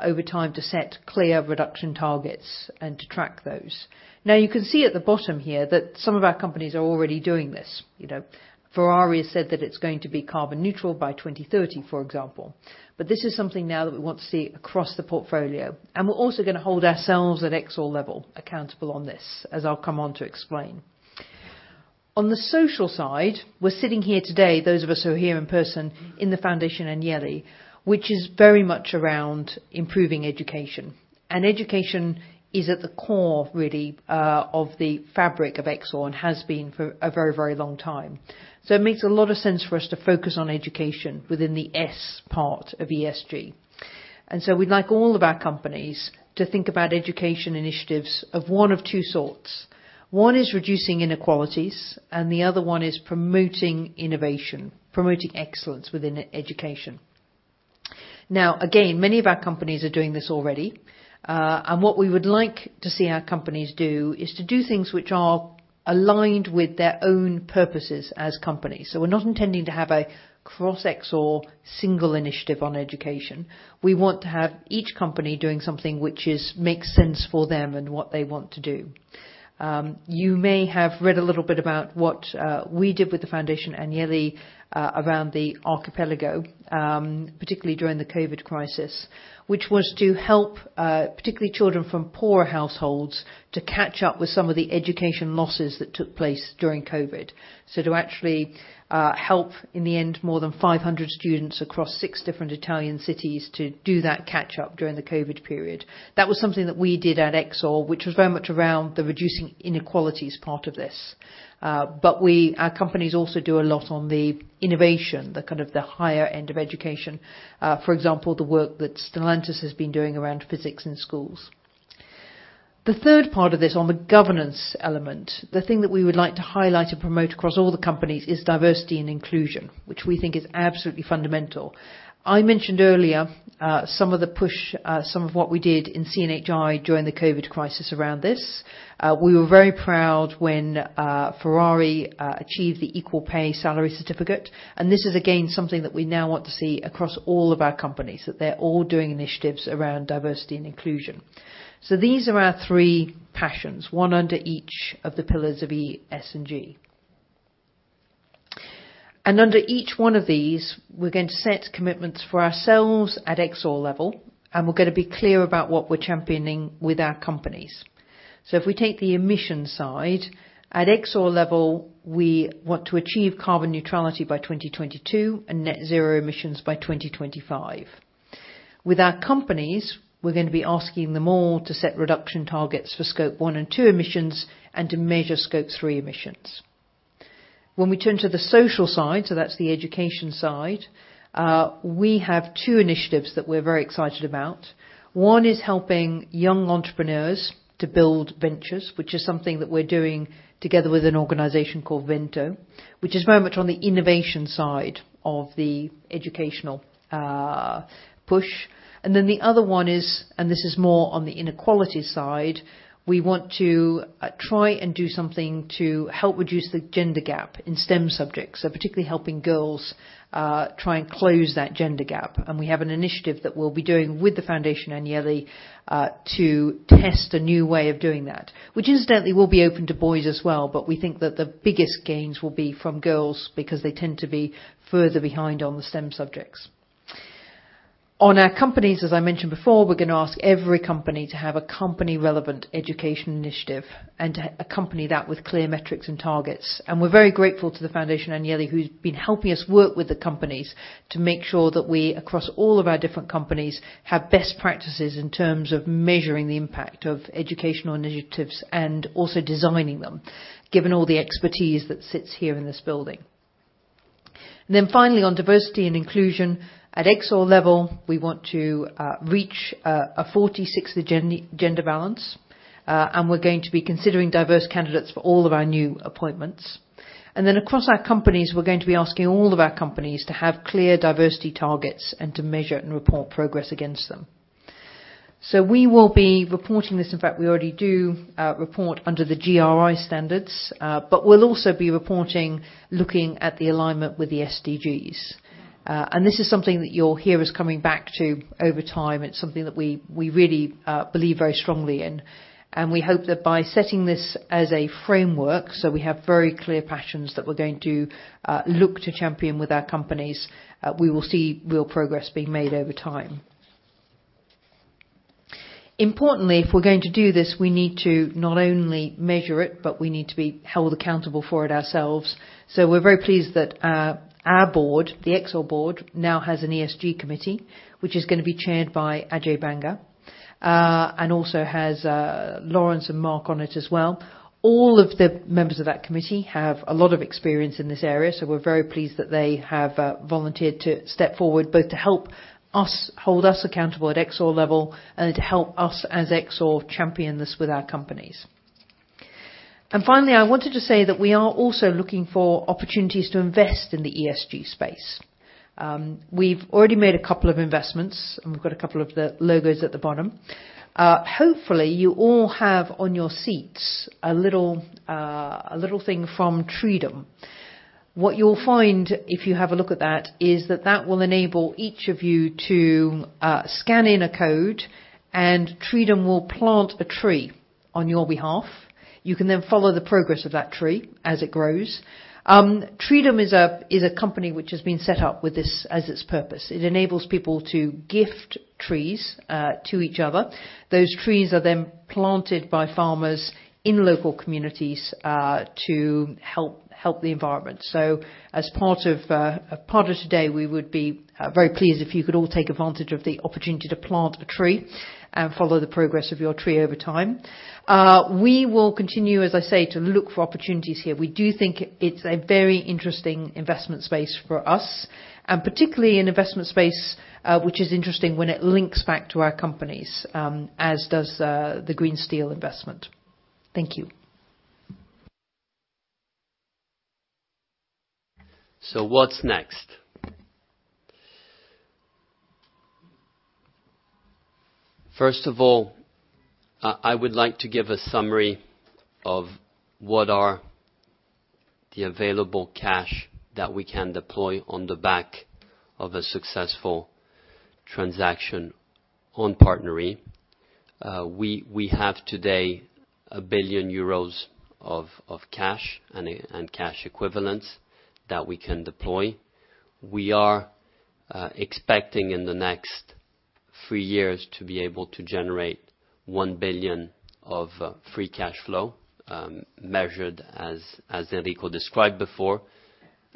over time, to set clear reduction targets and to track those. Now, you can see at the bottom here that some of our companies are already doing this. You know, Ferrari has said that it's going to be carbon neutral by 2030, for example. This is something now that we want to see across the portfolio, and we're also gonna hold ourselves at Exor level accountable on this, as I'll come on to explain. On the social side, we're sitting here today, those of us who are here in person, in the Fondazione Agnelli, which is very much around improving education. Education is at the core, really, of the fabric of Exor and has been for a very, very long time. It makes a lot of sense for us to focus on education within the S part of ESG. We'd like all of our companies to think about education initiatives of one of two sorts. One is reducing inequalities, and the other one is promoting innovation, promoting excellence within education. Now, again, many of our companies are doing this already, and what we would like to see our companies do is to do things which are aligned with their own purposes as companies. We're not intending to have a cross-Exor single initiative on education. We want to have each company doing something which makes sense for them and what they want to do. You may have read a little bit about what we did with the Fondazione Agnelli around the Arcipelago Educativo, particularly during the COVID crisis, which was to help particularly children from poorer households to catch up with some of the education losses that took place during COVID. To actually help, in the end, more than 500 students across six different Italian cities to do that catch-up during the COVID period. That was something that we did at Exor, which was very much around the reducing inequalities part of this. Our companies also do a lot on the innovation, the kind of the higher end of education. For example, the work that Stellantis has been doing around physics in schools. The third part of this on the governance element, the thing that we would like to highlight and promote across all the companies is diversity and inclusion, which we think is absolutely fundamental. I mentioned earlier, some of the push, some of what we did in CNHI during the COVID crisis around this. We were very proud when Ferrari achieved the equal pay salary certificate. This is, again, something that we now want to see across all of our companies, that they're all doing initiatives around diversity and inclusion. These are our three passions, one under each of the pillars of E, S, and G. Under each one of these, we're going to set commitments for ourselves at Exor level, and we're gonna be clear about what we're championing with our companies. If we take the emission side, at Exor level, we want to achieve carbon neutrality by 2022 and net zero emissions by 2025. With our companies, we're gonna be asking them all to set reduction targets for Scope 1 and 2 emissions and to measure Scope 3 emissions. When we turn to the social side, so that's the education side, we have two initiatives that we're very excited about. One is helping young entrepreneurs to build ventures, which is something that we're doing together with an organization called Vento, which is very much on the innovation side of the educational push. The other one is, this is more on the inequality side, we want to try and do something to help reduce the gender gap in STEM subjects. Particularly helping girls try and close that gender gap. We have an initiative that we'll be doing with the Fondazione Agnelli to test a new way of doing that, which incidentally will be open to boys as well, but we think that the biggest gains will be from girls because they tend to be further behind on the STEM subjects. On our companies, as I mentioned before, we're gonna ask every company to have a company-relevant education initiative and to accompany that with clear metrics and targets. We're very grateful to the Fondazione Agnelli who's been helping us work with the companies to make sure that we, across all of our different companies, have best practices in terms of measuring the impact of educational initiatives and also designing them, given all the expertise that sits here in this building. Then finally, on diversity and inclusion, at Exor level, we want to reach a 46% gender balance, and we're going to be considering diverse candidates for all of our new appointments. Then across our companies, we're going to be asking all of our companies to have clear diversity targets and to measure and report progress against them. We will be reporting this. In fact, we already do report under the GRI standards, but we'll also be reporting looking at the alignment with the SDGs. This is something that you'll hear us coming back to over time. It's something that we really believe very strongly in. We hope that by setting this as a framework, so we have very clear passions that we're going to look to champion with our companies, we will see real progress being made over time. Importantly, if we're going to do this, we need to not only measure it, but we need to be held accountable for it ourselves. We're very pleased that our board, the Exor board, now has an ESG committee, which is gonna be chaired by Ajay Banga, and also has Lawrence and Mark on it as well. All of the members of that committee have a lot of experience in this area, so we're very pleased that they have volunteered to step forward, both to help us hold us accountable at Exor level and to help us as Exor champion this with our companies. Finally, I wanted to say that we are also looking for opportunities to invest in the ESG space. We've already made a couple of investments, and we've got a couple of the logos at the bottom. Hopefully, you all have on your seats a little, a little thing from Treedom. What you'll find if you have a look at that is that that will enable each of you to scan in a code and Treedom will plant a tree on your behalf. You can then follow the progress of that tree as it grows. Treedom is a company which has been set up with this as its purpose. It enables people to gift trees to each other. Those trees are then planted by farmers in local communities to help the environment. As part of today, we would be very pleased if you could all take advantage of the opportunity to plant a tree and follow the progress of your tree over time. We will continue, as I say, to look for opportunities here. We do think it's a very interesting investment space for us, and particularly an investment space which is interesting when it links back to our companies, as does the green steel investment. Thank you. What's next? First of all, I would like to give a summary of what are the available cash that we can deploy on the back of a successful transaction on PartnerRe. We have today 1 billion euros of cash and cash equivalents that we can deploy. We are expecting in the next three years to be able to generate 1 billion of free cash flow, measured as Enrico described before.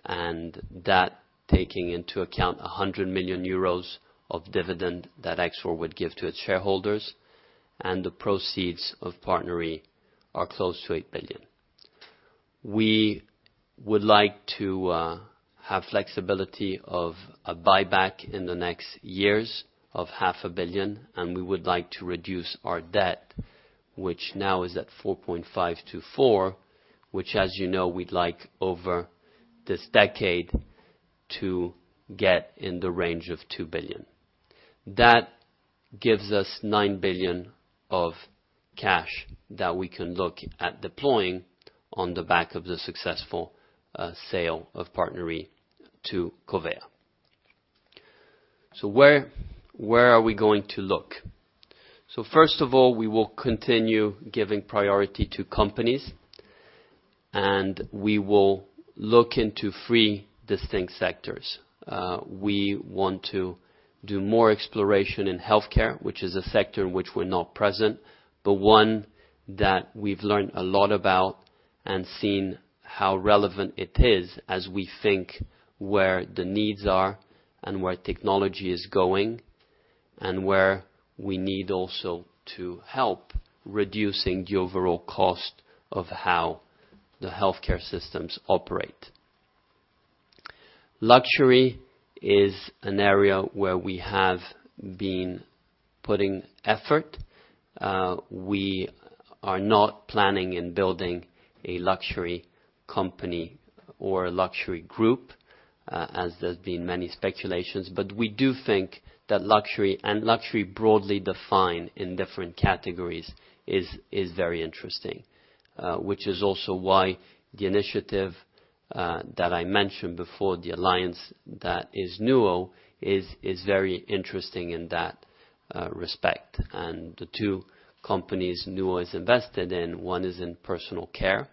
That taking into account 100 million euros of dividend that Exor would give to its shareholders, and the proceeds of PartnerRe are close to 8 billion. We would like to have flexibility of a buyback in the next years of 0.5 billion, and we would like to reduce our debt, which now is at 4.5 billion-4 billion, which as you know we'd like over this decade to get in the range of 2 billion. That gives us 9 billion of cash that we can look at deploying on the back of the successful sale of PartnerRe to Covéa. Where are we going to look? First of all, we will continue giving priority to companies, and we will look into three distinct sectors. We want to do more exploration in healthcare, which is a sector in which we're not present, but one that we've learned a lot about and seen how relevant it is as we think where the needs are and where technology is going, and where we need also to help reducing the overall cost of how the healthcare systems operate. Luxury is an area where we have been putting effort. We are not planning on building a luxury company or a luxury group, as there's been many speculations, but we do think that luxury and luxury broadly defined in different categories is very interesting. Which is also why the initiative that I mentioned before, the alliance that is NUO, is very interesting in that respect. The two companies NUO is invested in, one is in personal care,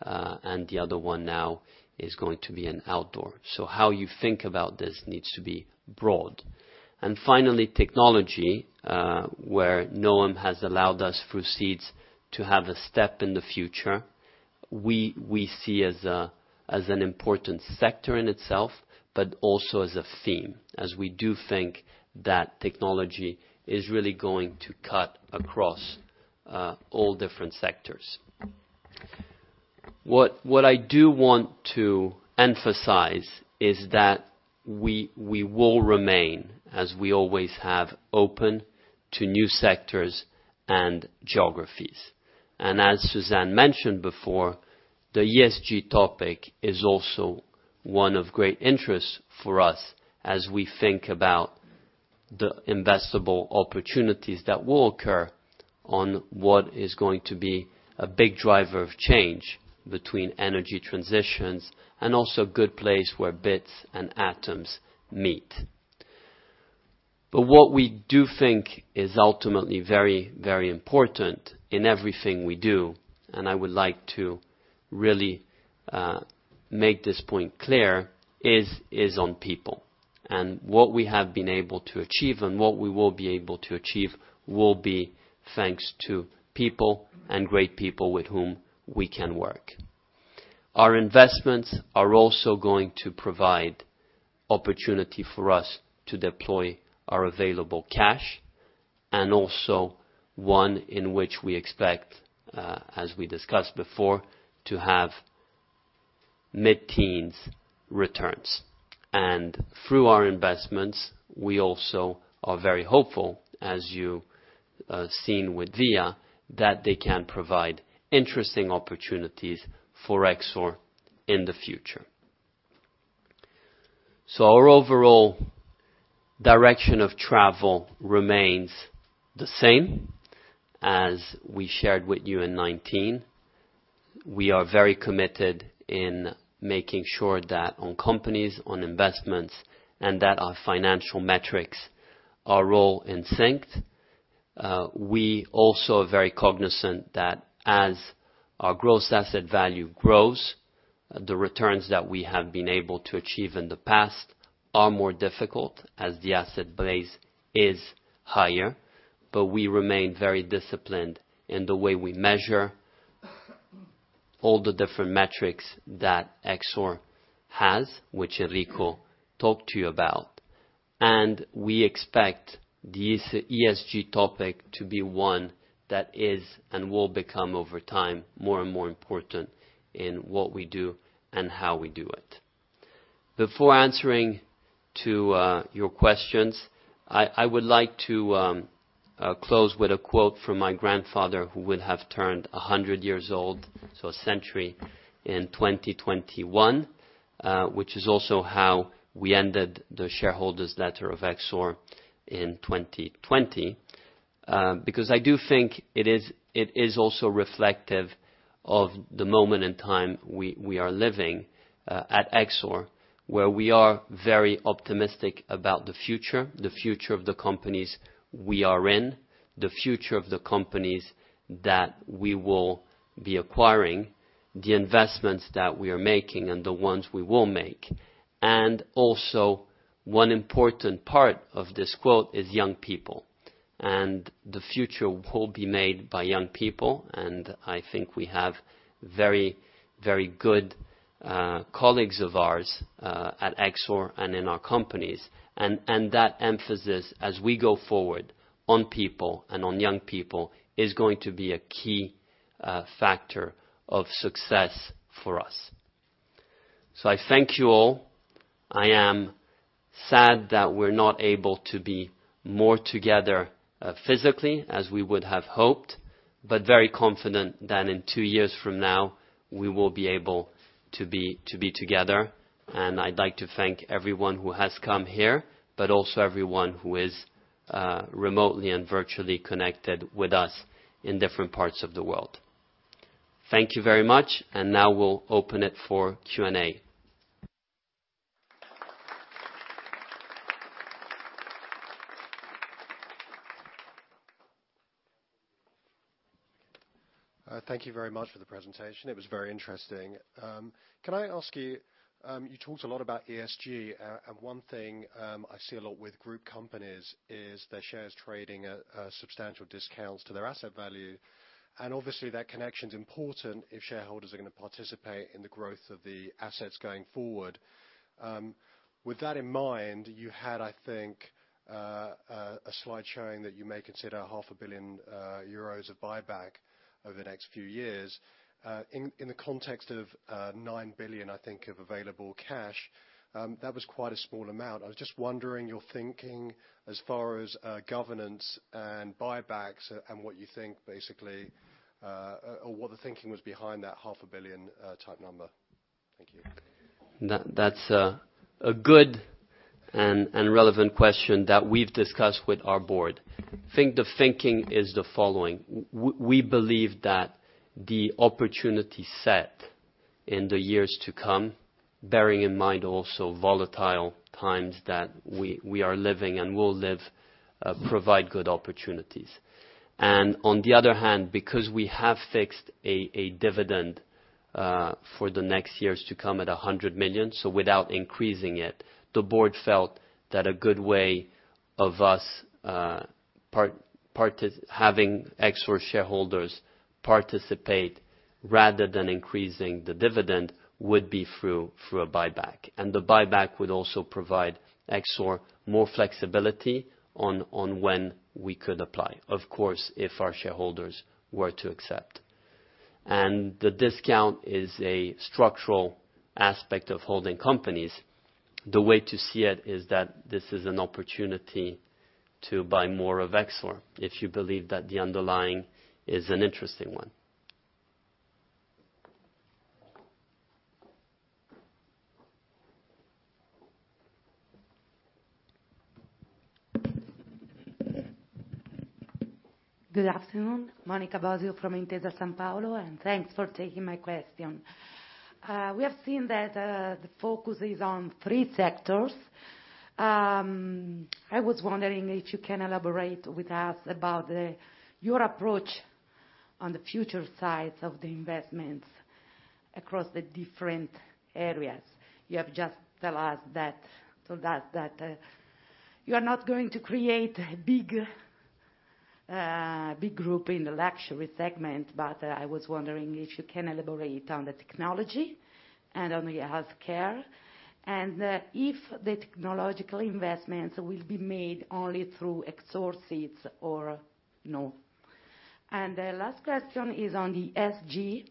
and the other one now is going to be in outdoor. How you think about this needs to be broad. Finally, technology, where Noam has allowed us to proceed to have a stake in the future. We see as an important sector in itself, but also as a theme, as we do think that technology is really going to cut across all different sectors. What I do want to emphasize is that we will remain, as we always have, open to new sectors and geographies. As Suzanne mentioned before, the ESG topic is also one of great interest for us as we think about the investable opportunities that will occur on what is going to be a big driver of change between energy transitions and also good place where bits and atoms meet. What we do think is ultimately very, very important in everything we do, and I would like to really make this point clear, is on people. What we have been able to achieve and what we will be able to achieve will be thanks to people and great people with whom we can work. Our investments are also going to provide opportunity for us to deploy our available cash, and also one in which we expect, as we discussed before, to have mid-teens returns. Through our investments, we also are very hopeful, as you have seen with Via, that they can provide interesting opportunities for Exor in the future. Our overall direction of travel remains the same as we shared with you in 2019. We are very committed in making sure that on companies, on investments, and that our financial metrics are all in sync. We also are very cognizant that as our gross asset value grows, the returns that we have been able to achieve in the past are more difficult as the asset base is higher. We remain very disciplined in the way we measure all the different metrics that Exor has, which Enrico talked to you about. We expect the ESG topic to be one that is and will become over time, more and more important in what we do and how we do it. Before answering to your questions, I would like to close with a quote from my grandfather who would have turned 100 years old, so a century, in 2021. Which is also how we ended the shareholders letter of Exor in 2020. Because I do think it is also reflective of the moment in time we are living at Exor, where we are very optimistic about the future, the future of the companies we are in, the future of the companies that we will be acquiring, the investments that we are making and the ones we will make. One important part of this quote is young people, and the future will be made by young people. I think we have very, very good colleagues of ours at Exor and in our companies. That emphasis as we go forward on people and on young people is going to be a key factor of success for us. I thank you all. I am sad that we're not able to be more together physically as we would have hoped, but very confident that in two years from now, we will be able to be together. I'd like to thank everyone who has come here, but also everyone who is remotely and virtually connected with us in different parts of the world. Thank you very much. Now we'll open it for Q&A. Thank you very much for the presentation. It was very interesting. Can I ask you talked a lot about ESG. One thing I see a lot with group companies is their shares trading at substantial discounts to their asset value. Obviously, that connection's important if shareholders are gonna participate in the growth of the assets going forward. With that in mind, you had, I think, a slide showing that you may consider 0.5 billion euros of buyback over the next few years. In the context of 9 billion, I think, of available cash, that was quite a small amount. I was just wondering your thinking as far as governance and buybacks and what you think basically, or what the thinking was behind that 0.5 billion type number. Thank you. That's a good and relevant question that we've discussed with our board. I think the thinking is the following. We believe that the opportunity set in the years to come, bearing in mind also volatile times that we are living and will live, provide good opportunities. On the other hand, because we have fixed a dividend for the next years to come at 100 million, so without increasing it, the board felt that a good way of us having Exor shareholders participate rather than increasing the dividend, would be through a buyback. The buyback would also provide Exor more flexibility on when we could apply. Of course, if our shareholders were to accept. The discount is a structural aspect of holding companies. The way to see it is that this is an opportunity to buy more of Exor if you believe that the underlying is an interesting one. Good afternoon. Monica Bosio from Intesa Sanpaolo. and thanks for taking my question. We have seen that the focus is on three sectors. I was wondering if you can elaborate with us about your approach on the future size of the investments across the different areas. You have just told us that you are not going to create a big group in the luxury segment, but I was wondering if you can elaborate on the technology and on the healthcare. If the technological investments will be made only through Exor Seeds or no. The last question is on the ESG.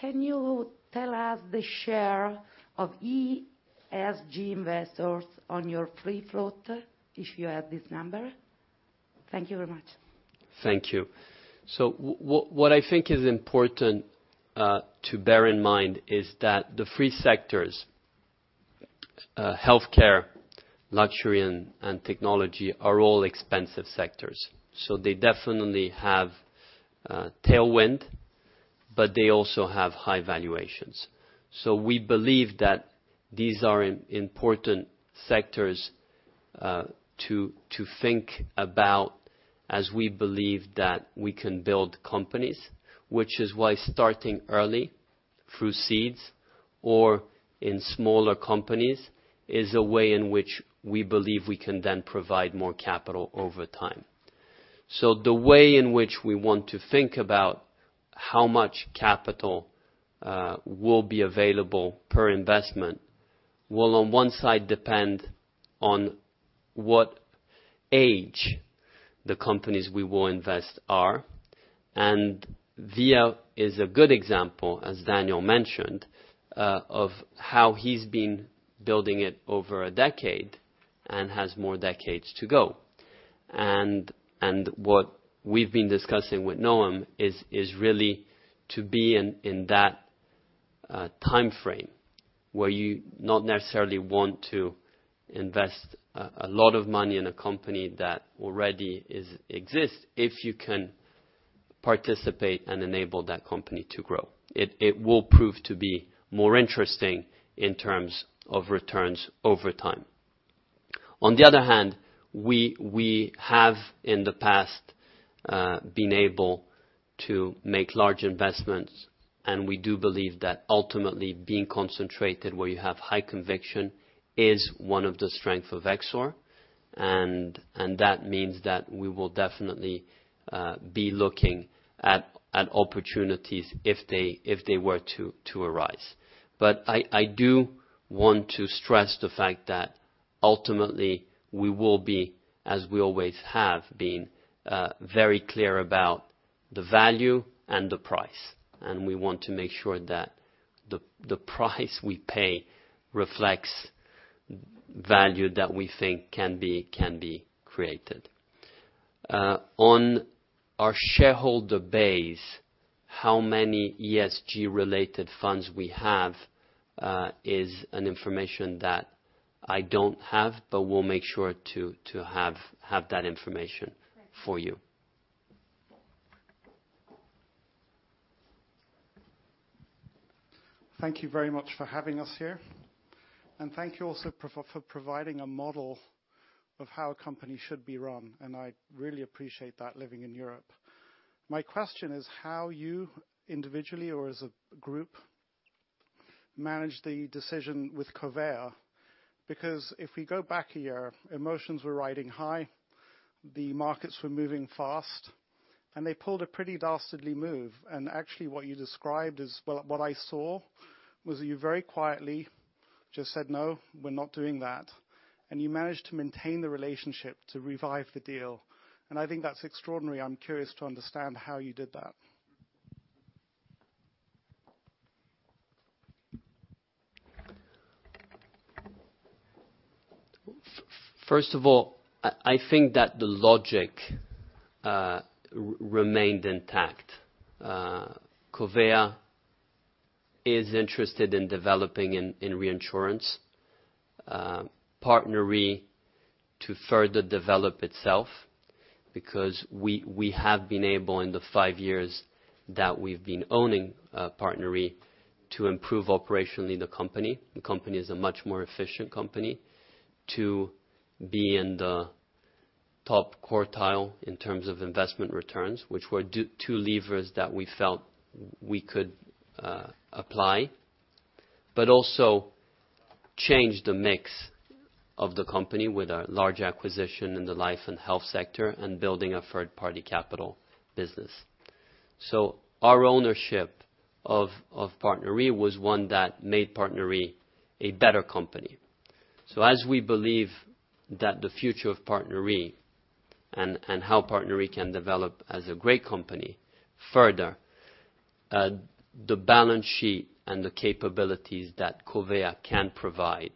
Can you tell us the share of ESG investors on your free float, if you have this number? Thank you very much. Thank you. What I think is important to bear in mind is that the three sectors, healthcare, luxury, and technology are all expensive sectors. They definitely have tailwind, but they also have high valuations. We believe that these are important sectors to think about as we believe that we can build companies, which is why starting early through seeds or in smaller companies is a way in which we believe we can then provide more capital over time. The way in which we want to think about how much capital will be available per investment will on one side depend on what age the companies we will invest are. Via is a good example, as Daniel mentioned, of how he's been building it over a decade and has more decades to go. What we've been discussing with Noam is really to be in that timeframe, where you not necessarily want to invest a lot of money in a company that already exists, if you can participate and enable that company to grow. It will prove to be more interesting in terms of returns over time. On the other hand, we have in the past been able to make large investments, and we do believe that ultimately being concentrated where you have high conviction is one of the strength of Exor, and that means that we will definitely be looking at opportunities if they were to arise. But I do want to stress the fact that ultimately we will be, as we always have been, very clear about the value and the price. We want to make sure that the price we pay reflects value that we think can be created. On our shareholder base, how many ESG related funds we have is information that I don't have, but we'll make sure to have that information for you. Thank you. Thank you very much for having us here. Thank you also for providing a model of how a company should be run, and I really appreciate that living in Europe. My question is how you, individually or as a group, managed the decision with Covéa. Because if we go back a year, emotions were riding high, the markets were moving fast, and they pulled a pretty dastardly move. Actually what you described as well, what I saw was you very quietly just said, "No, we're not doing that." You managed to maintain the relationship to revive the deal, and I think that's extraordinary. I'm curious to understand how you did that. First of all, I think that the logic remained intact. Covéa is interested in developing in reinsurance, PartnerRe to further develop itself, because we have been able, in the five years that we've been owning, PartnerRe, to improve operationally the company. The company is a much more efficient company to be in the top quartile in terms of investment returns, which were two levers that we felt we could apply, but also change the mix of the company with a large acquisition in the life and health sector and building a third-party capital business. Our ownership of PartnerRe was one that made PartnerRe a better company. As we believe that the future of PartnerRe and how PartnerRe can develop as a great company further, the balance sheet and the capabilities that Covéa can provide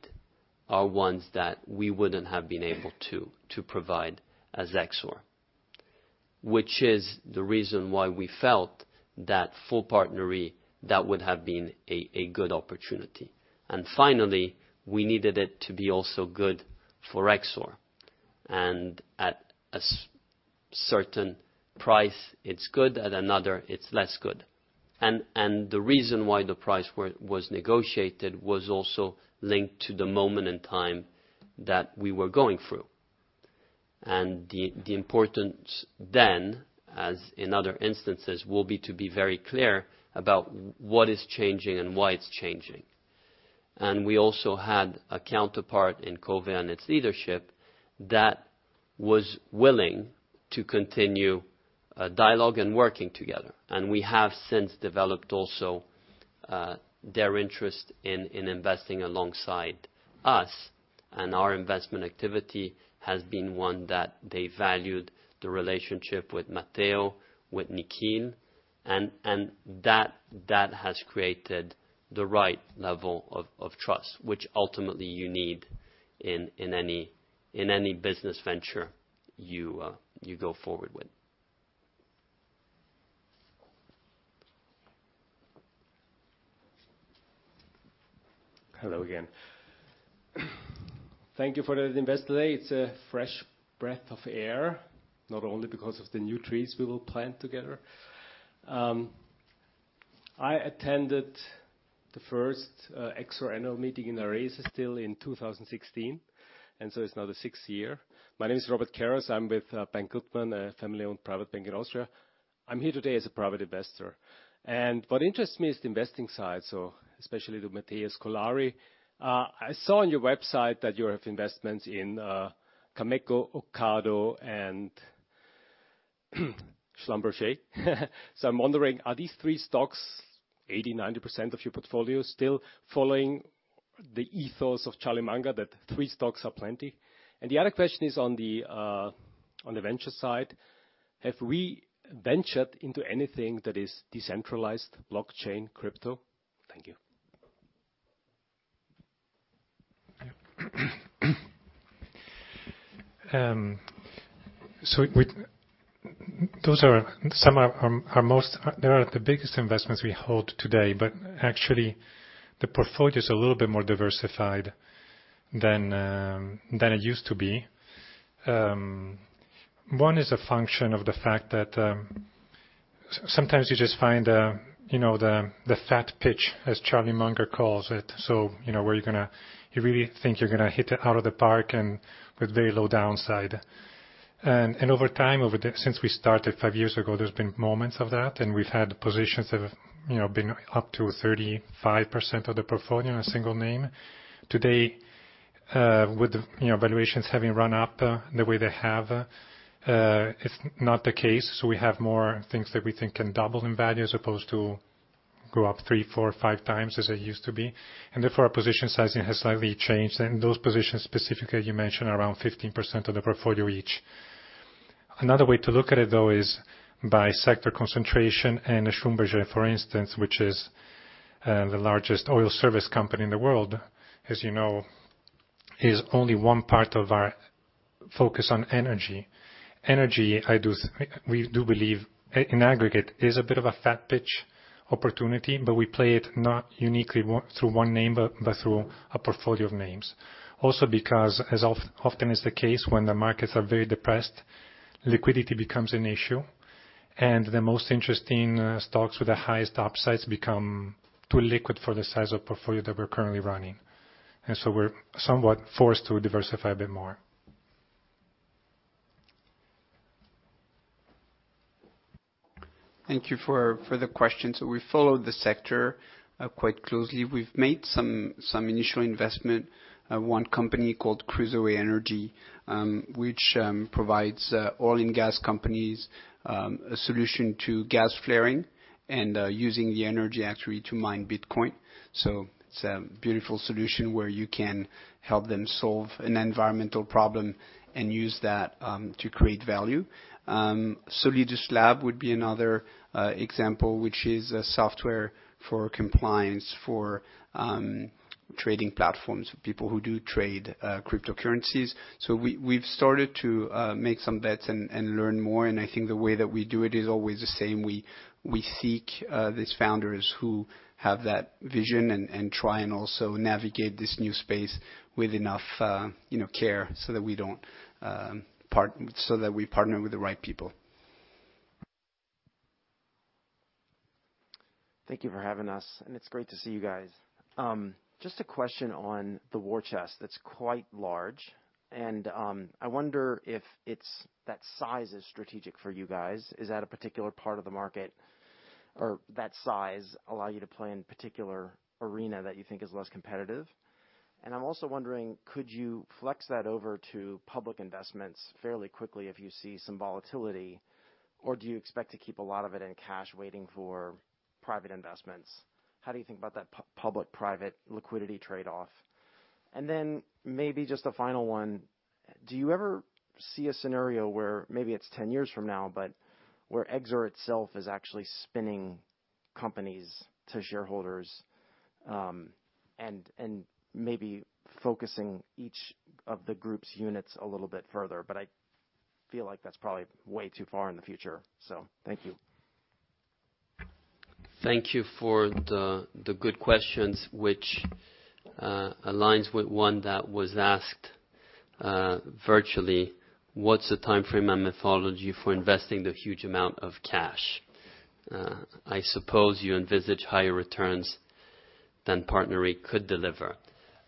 are ones that we wouldn't have been able to provide as Exor. Which is the reason why we felt that full PartnerRe that would have been a good opportunity. Finally, we needed it to be also good for Exor. At a certain price it's good, at another it's less good. The reason why the price was negotiated was also linked to the moment in time that we were going through. The importance then, as in other instances, will be to be very clear about what is changing and why it's changing. We also had a counterpart in Covéa and its leadership that was willing to continue a dialogue and working together. We have since developed also their interest in investing alongside us. Our investment activity has been one that they valued the relationship with Matteo, with Nikhil, and that has created the right level of trust, which ultimately you need in any business venture you go forward with. Hello again. Thank you for the investor day. It's a fresh breath of air, not only because of the new trees we will plant together. I attended the first Exor annual meeting in Amsterdam still in 2016, and so it's now the sixth year. My name is Robert Karas. I'm with Bank Gutmann, a family-owned private bank in Austria. I'm here today as a private investor. What interests me is the investing side, so especially to Matteo Scolari. I saw on your website that you have investments in Cameco, Ocado and Schlumberger. I'm wondering, are these three stocks 80%-90% of your portfolio still following the ethos of Charlie Munger, that three stocks are plenty? The other question is on the venture side, have we ventured into anything that is decentralized, blockchain, crypto? Thank you. Those are some of our most. They are the biggest investments we hold today, but actually the portfolio is a little bit more diversified than it used to be. One is a function of the fact that sometimes you just find you know, the fat pitch, as Charlie Munger calls it. You really think you're gonna hit it out of the park and with very low downside. Over time, since we started five years ago, there's been moments of that, and we've had positions that have you know, been up to 35% of the portfolio in a single name. Today, with you know, valuations having run up the way they have, it's not the case. We have more things that we think can double in value as opposed to go up three, four, or five times as it used to be. Therefore, our position sizing has slightly changed. Those positions specifically you mentioned are around 15% of the portfolio each. Another way to look at it though is by sector concentration and Schlumberger, for instance, which is the largest oil service company in the world, as you know, is only one part of our focus on energy. Energy, we do believe in aggregate is a bit of a fat pitch opportunity, but we play it not uniquely through one name, but through a portfolio of names. Also because as often is the case, when the markets are very depressed, liquidity becomes an issue, and the most interesting stocks with the highest upsides become too liquid for the size of portfolio that we're currently running. We're somewhat forced to diversify a bit more. Thank you for the question. We followed the sector quite closely. We've made some initial investment. One company called Crusoe Energy, which provides oil and gas companies a solution to gas flaring and using the energy actually to mine Bitcoin. It's a beautiful solution where you can help them solve an environmental problem and use that to create value. Solidus Labs would be another example, which is a software for compliance for trading platforms for people who do trade cryptocurrencies. We've started to make some bets and learn more, and I think the way that we do it is always the same. We seek these founders who have that vision and try and also navigate this new space with enough you know care so that we partner with the right people. Thank you for having us, and it's great to see you guys. Just a question on the war chest that's quite large. I wonder if that size is strategic for you guys. Is that a particular part of the market or that size allow you to play in particular arena that you think is less competitive? I'm also wondering, could you flex that over to public investments fairly quickly if you see some volatility, or do you expect to keep a lot of it in cash waiting for private investments? How do you think about that public/private liquidity trade-off? Then maybe just a final one. Do you ever see a scenario where maybe it's 10 years from now, but where Exor itself is actually spinning companies to shareholders, and maybe focusing each of the group's units a little bit further? I feel like that's probably way too far in the future, so thank you. Thank you for the good questions which aligns with one that was asked virtually. What's the timeframe and methodology for investing the huge amount of cash? I suppose you envisage higher returns than PartnerRe could deliver.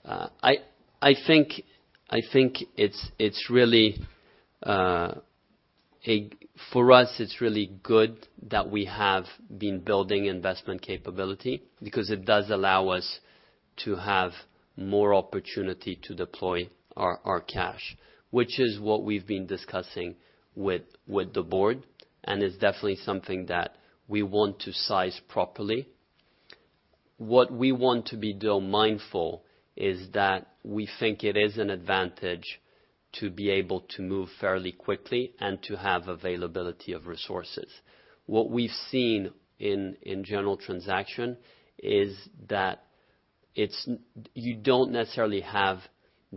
I think it's really good that we have been building investment capability because it does allow us to have more opportunity to deploy our cash, which is what we've been discussing with the board and is definitely something that we want to size properly. What we want to be though mindful is that we think it is an advantage to be able to move fairly quickly and to have availability of resources. What we've seen in general transaction is that You don't necessarily have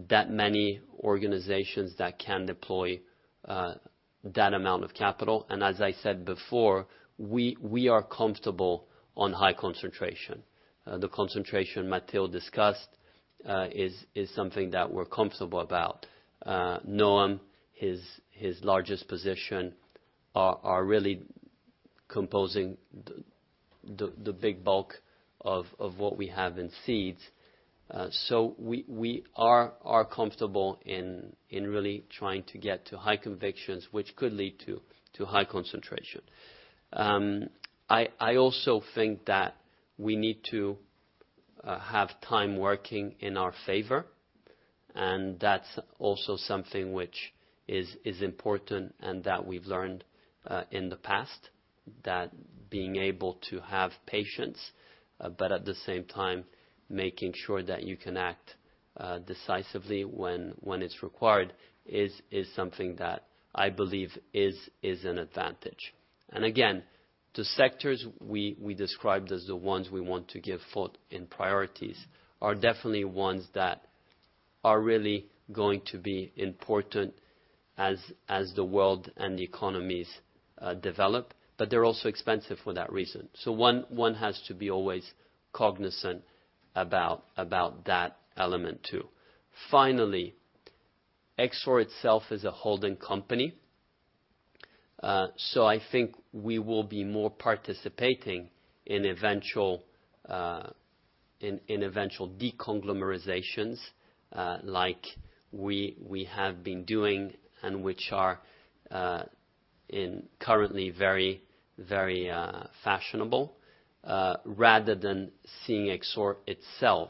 that many organizations that can deploy that amount of capital. As I said before, we are comfortable on high concentration. The concentration Matteo discussed is something that we're comfortable about. Noam, his largest position are really composing the big bulk of what we have in Seeds. We are comfortable in really trying to get to high convictions, which could lead to high concentration. I also think that we need to have time working in our favor, and that's also something which is important and that we've learned in the past, that being able to have patience but at the same time, making sure that you can act decisively when it's required is something that I believe is an advantage. Again, the sectors we described as the ones we want to give thought and priorities are definitely ones that are really going to be important as the world and the economies develop, but they're also expensive for that reason. One has to be always cognizant about that element too. Finally, Exor itself is a holding company. I think we will be more participating in eventual deconglomerations, like we have been doing and which are increasingly very fashionable, rather than seeing Exor itself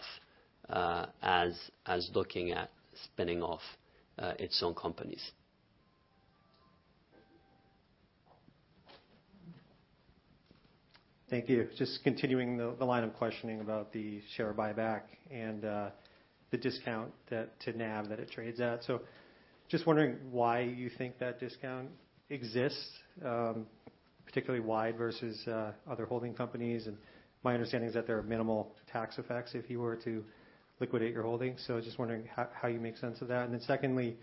as looking at spinning off its own companies. Thank you. Just continuing the line of questioning about the share buyback and the discount to NAV that it trades at. So just wondering why you think that discount exists, particularly wide versus other holding companies. And my understanding is that there are minimal tax effects if you were to liquidate your holdings. So just wondering how you make sense of that. And then secondly,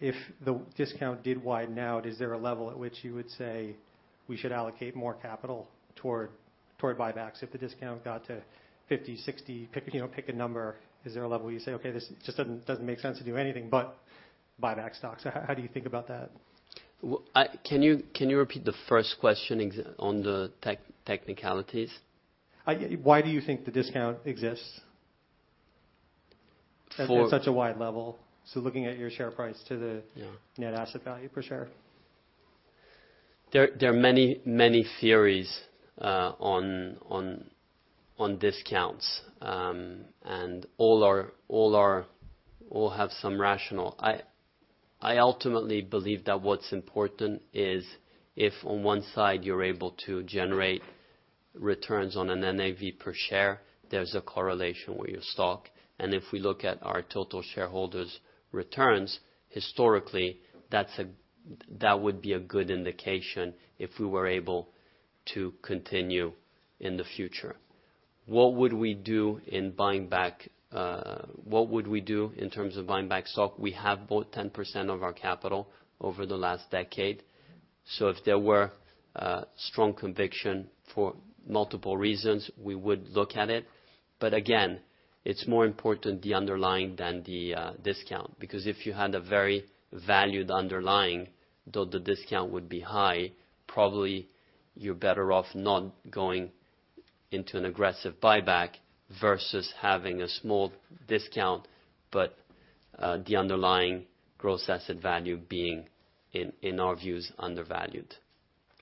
if the discount did widen out, is there a level at which you would say we should allocate more capital toward buybacks? If the discount got to 50, 60, pick a, you know, pick a number, is there a level you say, "Okay, this just doesn't make sense to do anything but buy back stocks." How do you think about that? Well, can you repeat the first question on the technicalities? Why do you think the discount exists? For- ...at such a wide level? Looking at your share price to the- Yeah Net asset value per share. There are many theories on discounts. All have some rationale. I ultimately believe that what's important is if on one side you're able to generate returns on an NAV per share, there's a correlation with your stock. If we look at our total shareholders' returns, historically, that would be a good indication if we were able to continue in the future. What would we do in terms of buying back stock? We have bought 10% of our capital over the last decade. If there were a strong conviction for multiple reasons, we would look at it. Again, it's more important the underlying than the discount, because if you had a very valued underlying, though the discount would be high, probably you're better off not going into an aggressive buyback versus having a small discount, but the underlying gross asset value being, in our views, undervalued.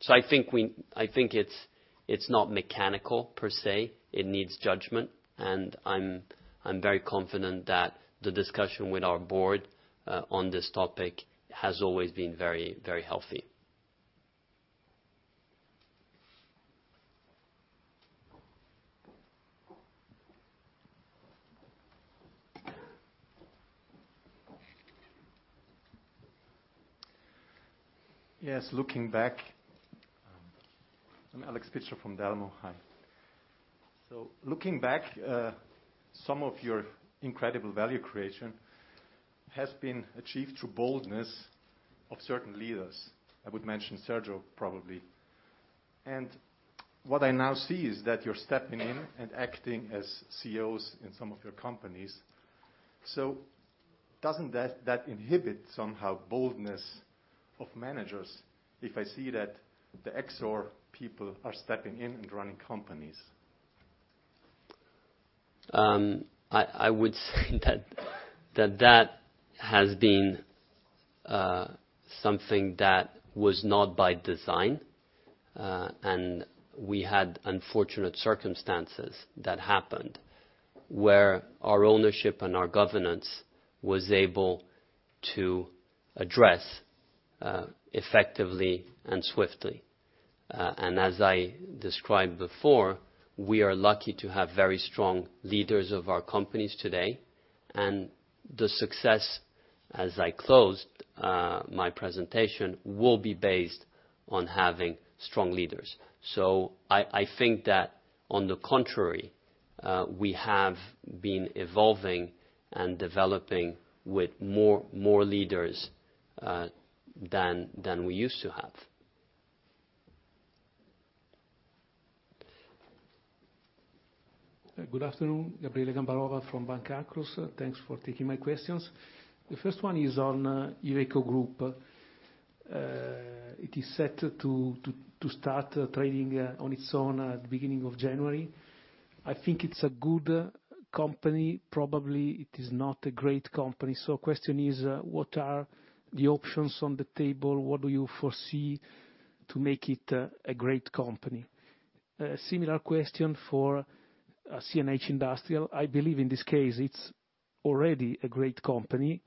I think it's not mechanical per se. It needs judgment. I'm very confident that the discussion with our board on this topic has always been very, very healthy. Yes, looking back, I'm Alex Pitcher from Delmo. Hi. Looking back, some of your incredible value creation has been achieved through boldness of certain leaders. I would mention Sergio, probably. What I now see is that you're stepping in and acting as Chief Executive Officer s in some of your companies. Doesn't that inhibit somehow boldness of managers if I see that the Exor people are stepping in and running companies? I would say that that has been something that was not by design. We had unfortunate circumstances that happened, where our ownership and our governance was able to address effectively and swiftly. As I described before, we are lucky to have very strong leaders of our companies today. The success as I closed my presentation will be based on having strong leaders. I think that on the contrary, we have been evolving and developing with more leaders than we used to have. Good afternoon. Gabriele Gambarova from Banca Akros. Thanks for taking my questions. The first one is on Iveco Group. It is set to start trading on its own at the beginning of January. I think it's a good company. Probably it is not a great company. Question is, what are the options on the table? What do you foresee to make it a great company? Similar question for CNH Industrial. I believe, in this case, it's already a great company,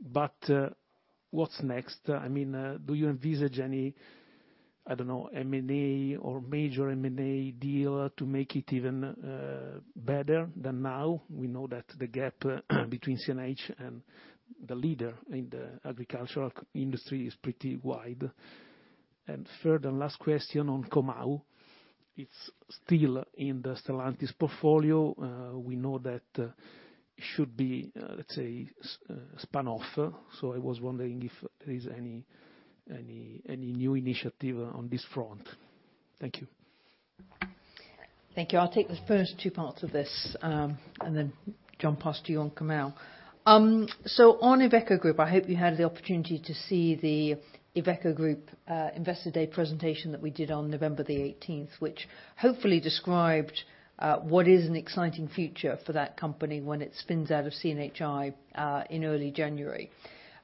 but what's next? I mean, do you envisage any, I don't know, M&A or major M&A deal to make it even better than now? We know that the gap between CNH and the leader in the agricultural industry is pretty wide. Third and last question on Comau. It's still in the Stellantis portfolio. We know that should be, let's say, spun off. I was wondering if there is any new initiative on this front. Thank you. Thank you. I'll take the first two parts of this, and then jump past you on Comau. On Iveco Group, I hope you had the opportunity to see the Iveco Group Investor Day presentation that we did on November the eighteenth, which hopefully described what is an exciting future for that company when it spins out of CNHI in early January.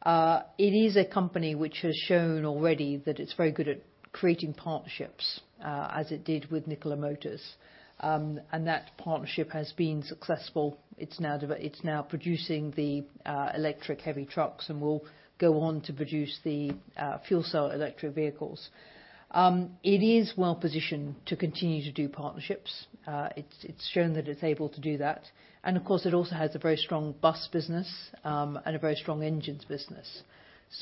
It is a company which has shown already that it's very good at creating partnerships, as it did with Nikola Motors. That partnership has been successful. It's now producing the electric-heavy trucks and will go on to produce the fuel cell electric vehicles. It is well positioned to continue to do partnerships. It's shown that it's able to do that. Of course, it also has a very strong bus business, and a very strong engines business.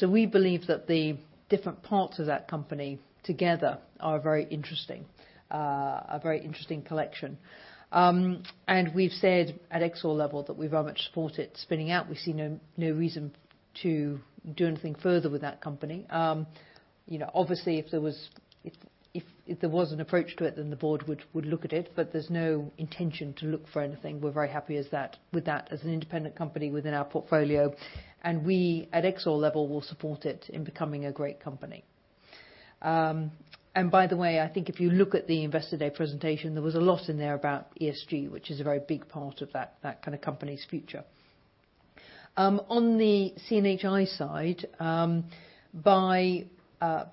We believe that the different parts of that company together are very interesting, a very interesting collection. We've said at Exor level that we very much support it spinning out. We see no reason to do anything further with that company. You know, obviously, if there was an approach to it, then the board would look at it, but there's no intention to look for anything. We're very happy with that as an independent company within our portfolio. We, at Exor level, will support it in becoming a great company. By the way, I think if you look at the Investor Day presentation, there was a lot in there about ESG, which is a very big part of that kind of company's future. On the CNHI side,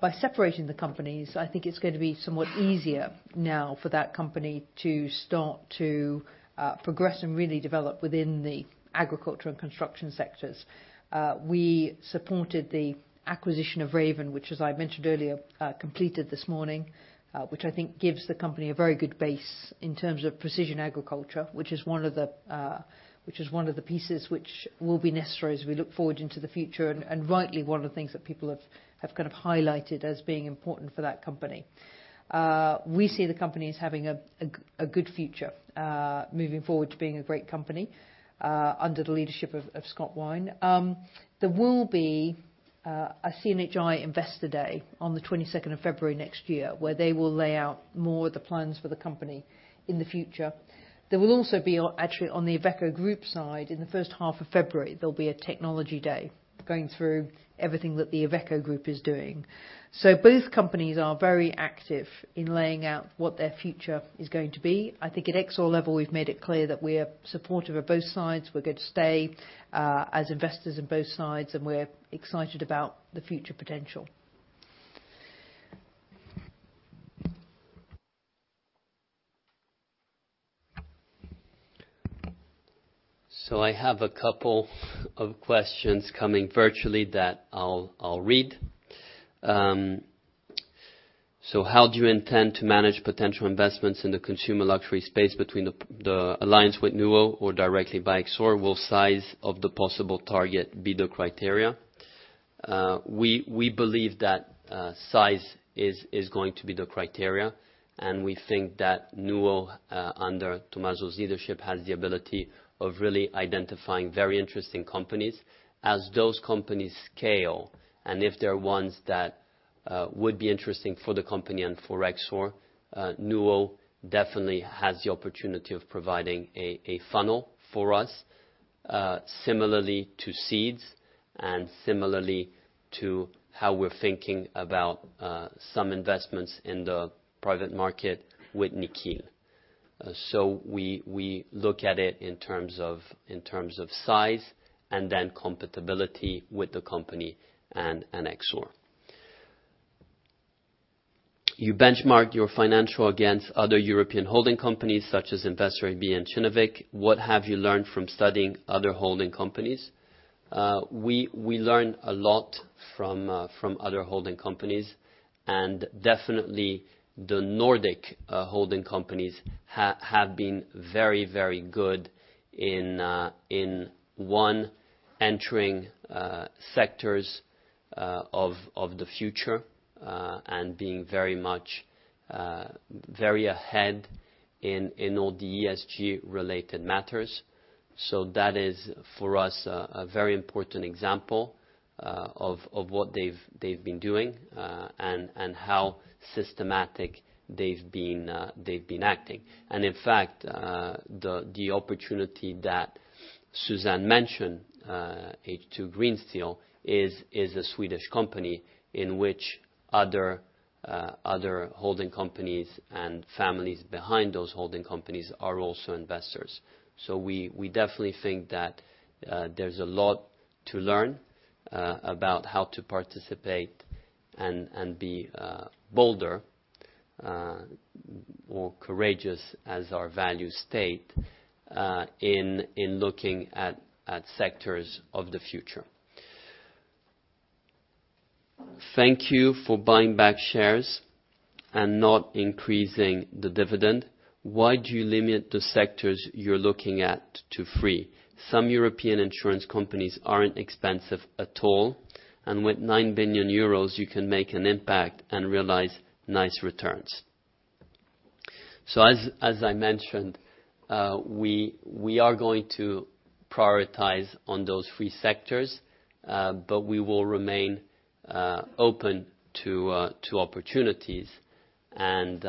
by separating the companies, I think it's going to be somewhat easier now for that company to start to progress and really develop within the agriculture and construction sectors. We supported the acquisition of Raven, which as I mentioned earlier, completed this morning, which I think gives the company a very good base in terms of precision agriculture, which is one of the pieces which will be necessary as we look forward into the future, and rightly one of the things that people have kind of highlighted as being important for that company. We see the company as having a good future, moving forward to being a great company, under the leadership of Scott Wine. There will be a CNHI Investor Day on the February 22nd next year, where they will lay out more the plans for the company in the future. There will also be, actually, on the Iveco Group side, in the first half of February, there'll be a technology day going through everything that the Iveco Group is doing. Both companies are very active in laying out what their future is going to be. I think at Exor level, we've made it clear that we are supportive of both sides. We're going to stay as investors in both sides, and we're excited about the future potential. I have a couple of questions coming virtually that I'll read. How do you intend to manage potential investments in the consumer luxury space between the alliance with NUO or directly by Exor? Will size of the possible target be the criteria? We believe that size is going to be the criteria, and we think that NUO, under Tommaso's leadership, has the ability of really identifying very interesting companies. As those companies scale, and if there are ones that would be interesting for the company and for Exor, NUO definitely has the opportunity of providing a funnel for us, similarly to Seeds and similarly to how we're thinking about some investments in the private market with Nikhil. We look at it in terms of size and then compatibility with the company and Exor. You benchmarked your financials against other European holding companies such as Investor AB and Kinnevik. What have you learned from studying other holding companies? We learn a lot from other holding companies. Definitely the Nordic holding companies have been very good in entering sectors of the future and being very much very ahead in all the ESG related matters. That is for us a very important example of what they've been doing and how systematic they've been acting. In fact, the opportunity that Suzanne mentioned, H2 Green Steel is a Swedish company in which other holding companies and families behind those holding companies are also investors. We definitely think that there's a lot to learn about how to participate and be bolder, more courageous as our values state, in looking at sectors of the future. Thank you for buying back shares and not increasing the dividend. Why do you limit the sectors you're looking at to three? Some European insurance companies aren't expensive at all, and with 9 billion euros, you can make an impact and realize nice returns. As I mentioned, we are going to prioritize on those three sectors, but we will remain open to opportunities and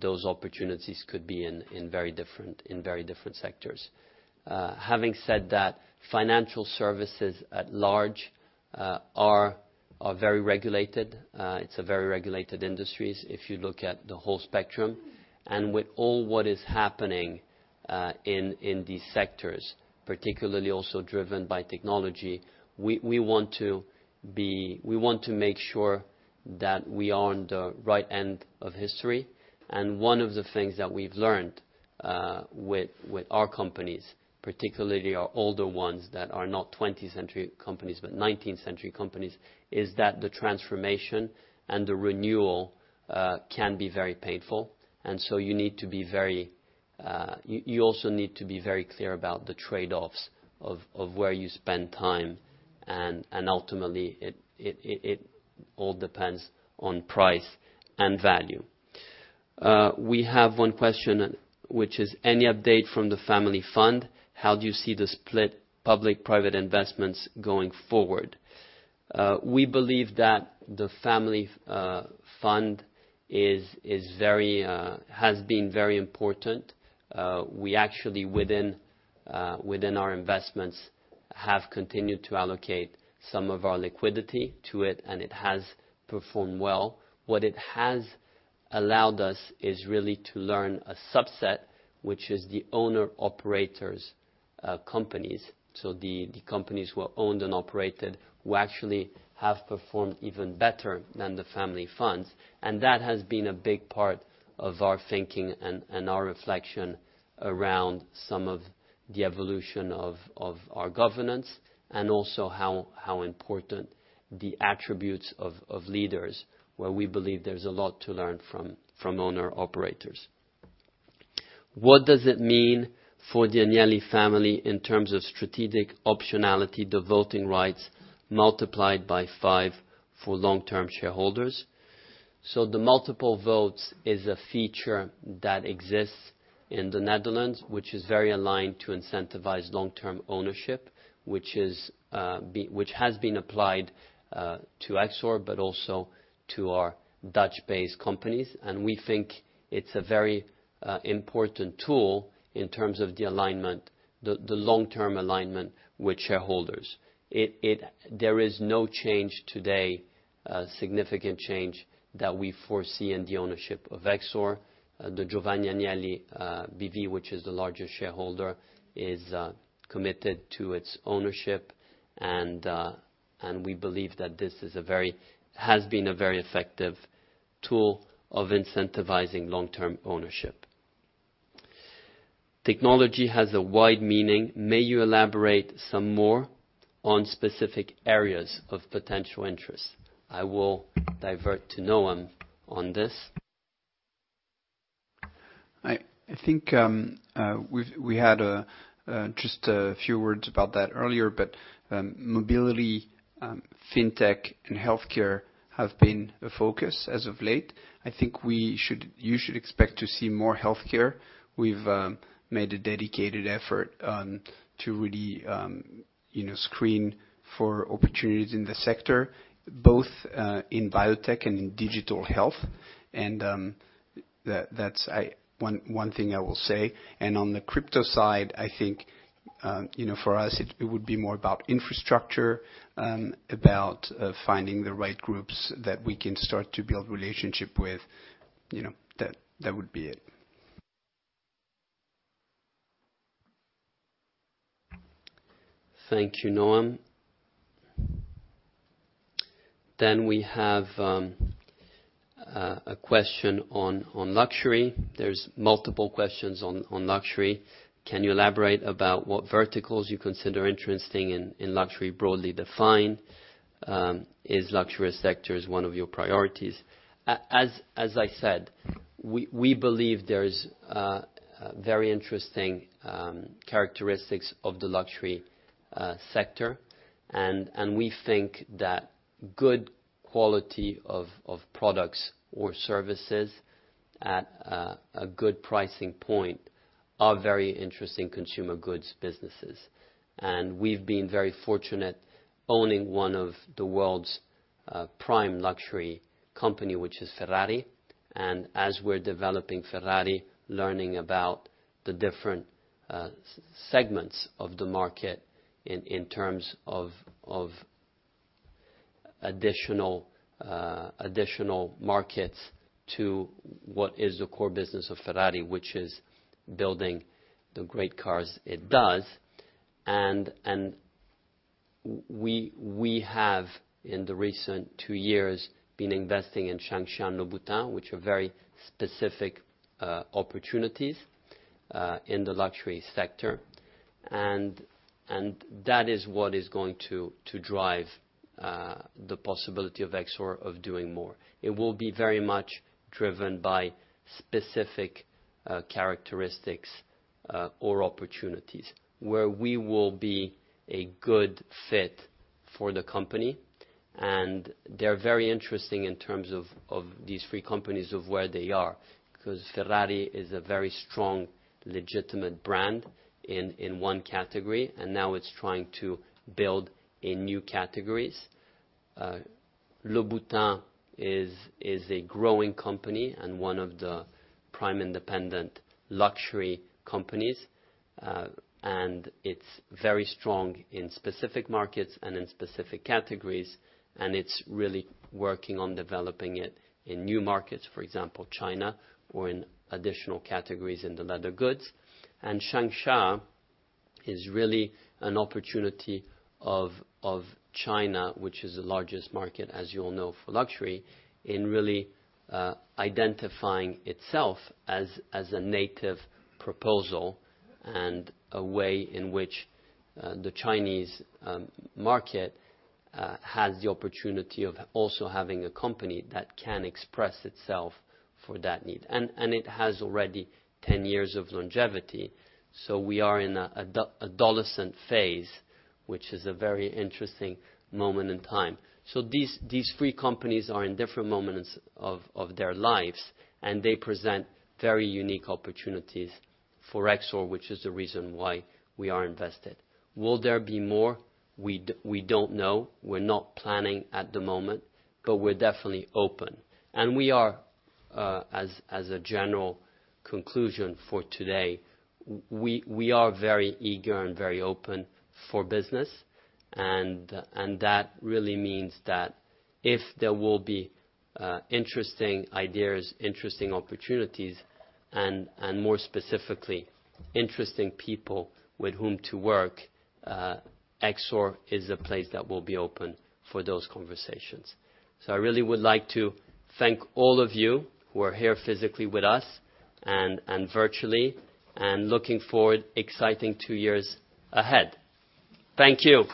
those opportunities could be in very different sectors. Having said that, financial services at large are very regulated. It's a very regulated industry, if you look at the whole spectrum. With all that is happening in these sectors, particularly also driven by technology, we want to make sure that we are on the right end of history. One of the things that we've learned with our companies, particularly our older ones that are not twentieth-century companies, but nineteenth-century companies, is that the transformation and the renewal can be very painful. You need to be very... You also need to be very clear about the trade-offs of where you spend time. Ultimately, it all depends on price and value. We have one question, which is any update from the family fund? How do you see the split public-private investments going forward? We believe that the family fund is very important. We actually within our investments have continued to allocate some of our liquidity to it, and it has performed well. What it has allowed us is really to learn a subset, which is the owner-operators companies. The companies who are owned and operated who actually have performed even better than the family funds. That has been a big part of our thinking and our reflection around some of the evolution of our governance and also how important the attributes of leaders, where we believe there's a lot to learn from owner-operators. What does it mean for the Agnelli family in terms of strategic optionality, the voting rights multiplied by five for long-term shareholders? The multiple votes is a feature that exists in the Netherlands, which is very aligned to incentivize long-term ownership, which has been applied to Exor, but also to our Dutch-based companies. We think it's a very important tool in terms of the alignment, the long-term alignment with shareholders. There is no significant change today that we foresee in the ownership of Exor. The Giovanni Agnelli B.V., which is the largest shareholder, is committed to its ownership and we believe that this has been a very effective tool of incentivizing long-term ownership. Technology has a wide meaning. May you elaborate some more on specific areas of potential interest? I will divert to Noam on this. I think we've had just a few words about that earlier, but mobility, fintech and healthcare have been a focus as of late. I think you should expect to see more healthcare. We've made a dedicated effort to really you know screen for opportunities in the sector, both in biotech and in digital health. That's one thing I will say. On the crypto side, I think you know for us it would be more about infrastructure, about finding the right groups that we can start to build relationship with. You know, that would be it. Thank you, Noam. We have a question on luxury. There are multiple questions on luxury. Can you elaborate about what verticals you consider interesting in luxury broadly defined? Is luxury sectors one of your priorities? As I said, we believe there's very interesting characteristics of the luxury sector. We think that good quality of products or services at a good pricing point are very interesting consumer goods businesses. We've been very fortunate owning one of the world's prime luxury company, which is Ferrari. As we're developing Ferrari, learning about the different segments of the market in terms of additional markets to what is the core business of Ferrari, which is building the great cars it does. We have in the recent two years been investing in Shang Xia and Louboutin, which are very specific opportunities in the luxury sector. That is what is going to drive the possibility of Exor of doing more. It will be very much driven by specific characteristics or opportunities where we will be a good fit for the company. They're very interesting in terms of these three companies of where they are, 'cause Ferrari is a very strong, legitimate brand in one category, and now it's trying to build in new categories. Louboutin is a growing company and one of the prime independent luxury companies. It's very strong in specific markets and in specific categories, and it's really working on developing it in new markets, for example, China or in additional categories in the leather goods. Shang Xia is really an opportunity of China, which is the largest market, as you all know, for luxury in really identifying itself as a native proposal and a way in which the Chinese market has the opportunity of also having a company that can express itself for that need. It has already ten years of longevity, so we are in an adolescent phase, which is a very interesting moment in time. These three companies are in different moments of their lives, and they present very unique opportunities for Exor, which is the reason why we are invested. Will there be more? We don't know. We're not planning at the moment, but we're definitely open. We are, as a general conclusion for today, very eager and very open for business. That really means that if there will be interesting ideas, interesting opportunities, and more specifically interesting people with whom to work, Exor is a place that will be open for those conversations. I really would like to thank all of you who are here physically with us and virtually, and looking forward to exciting two years ahead. Thank you.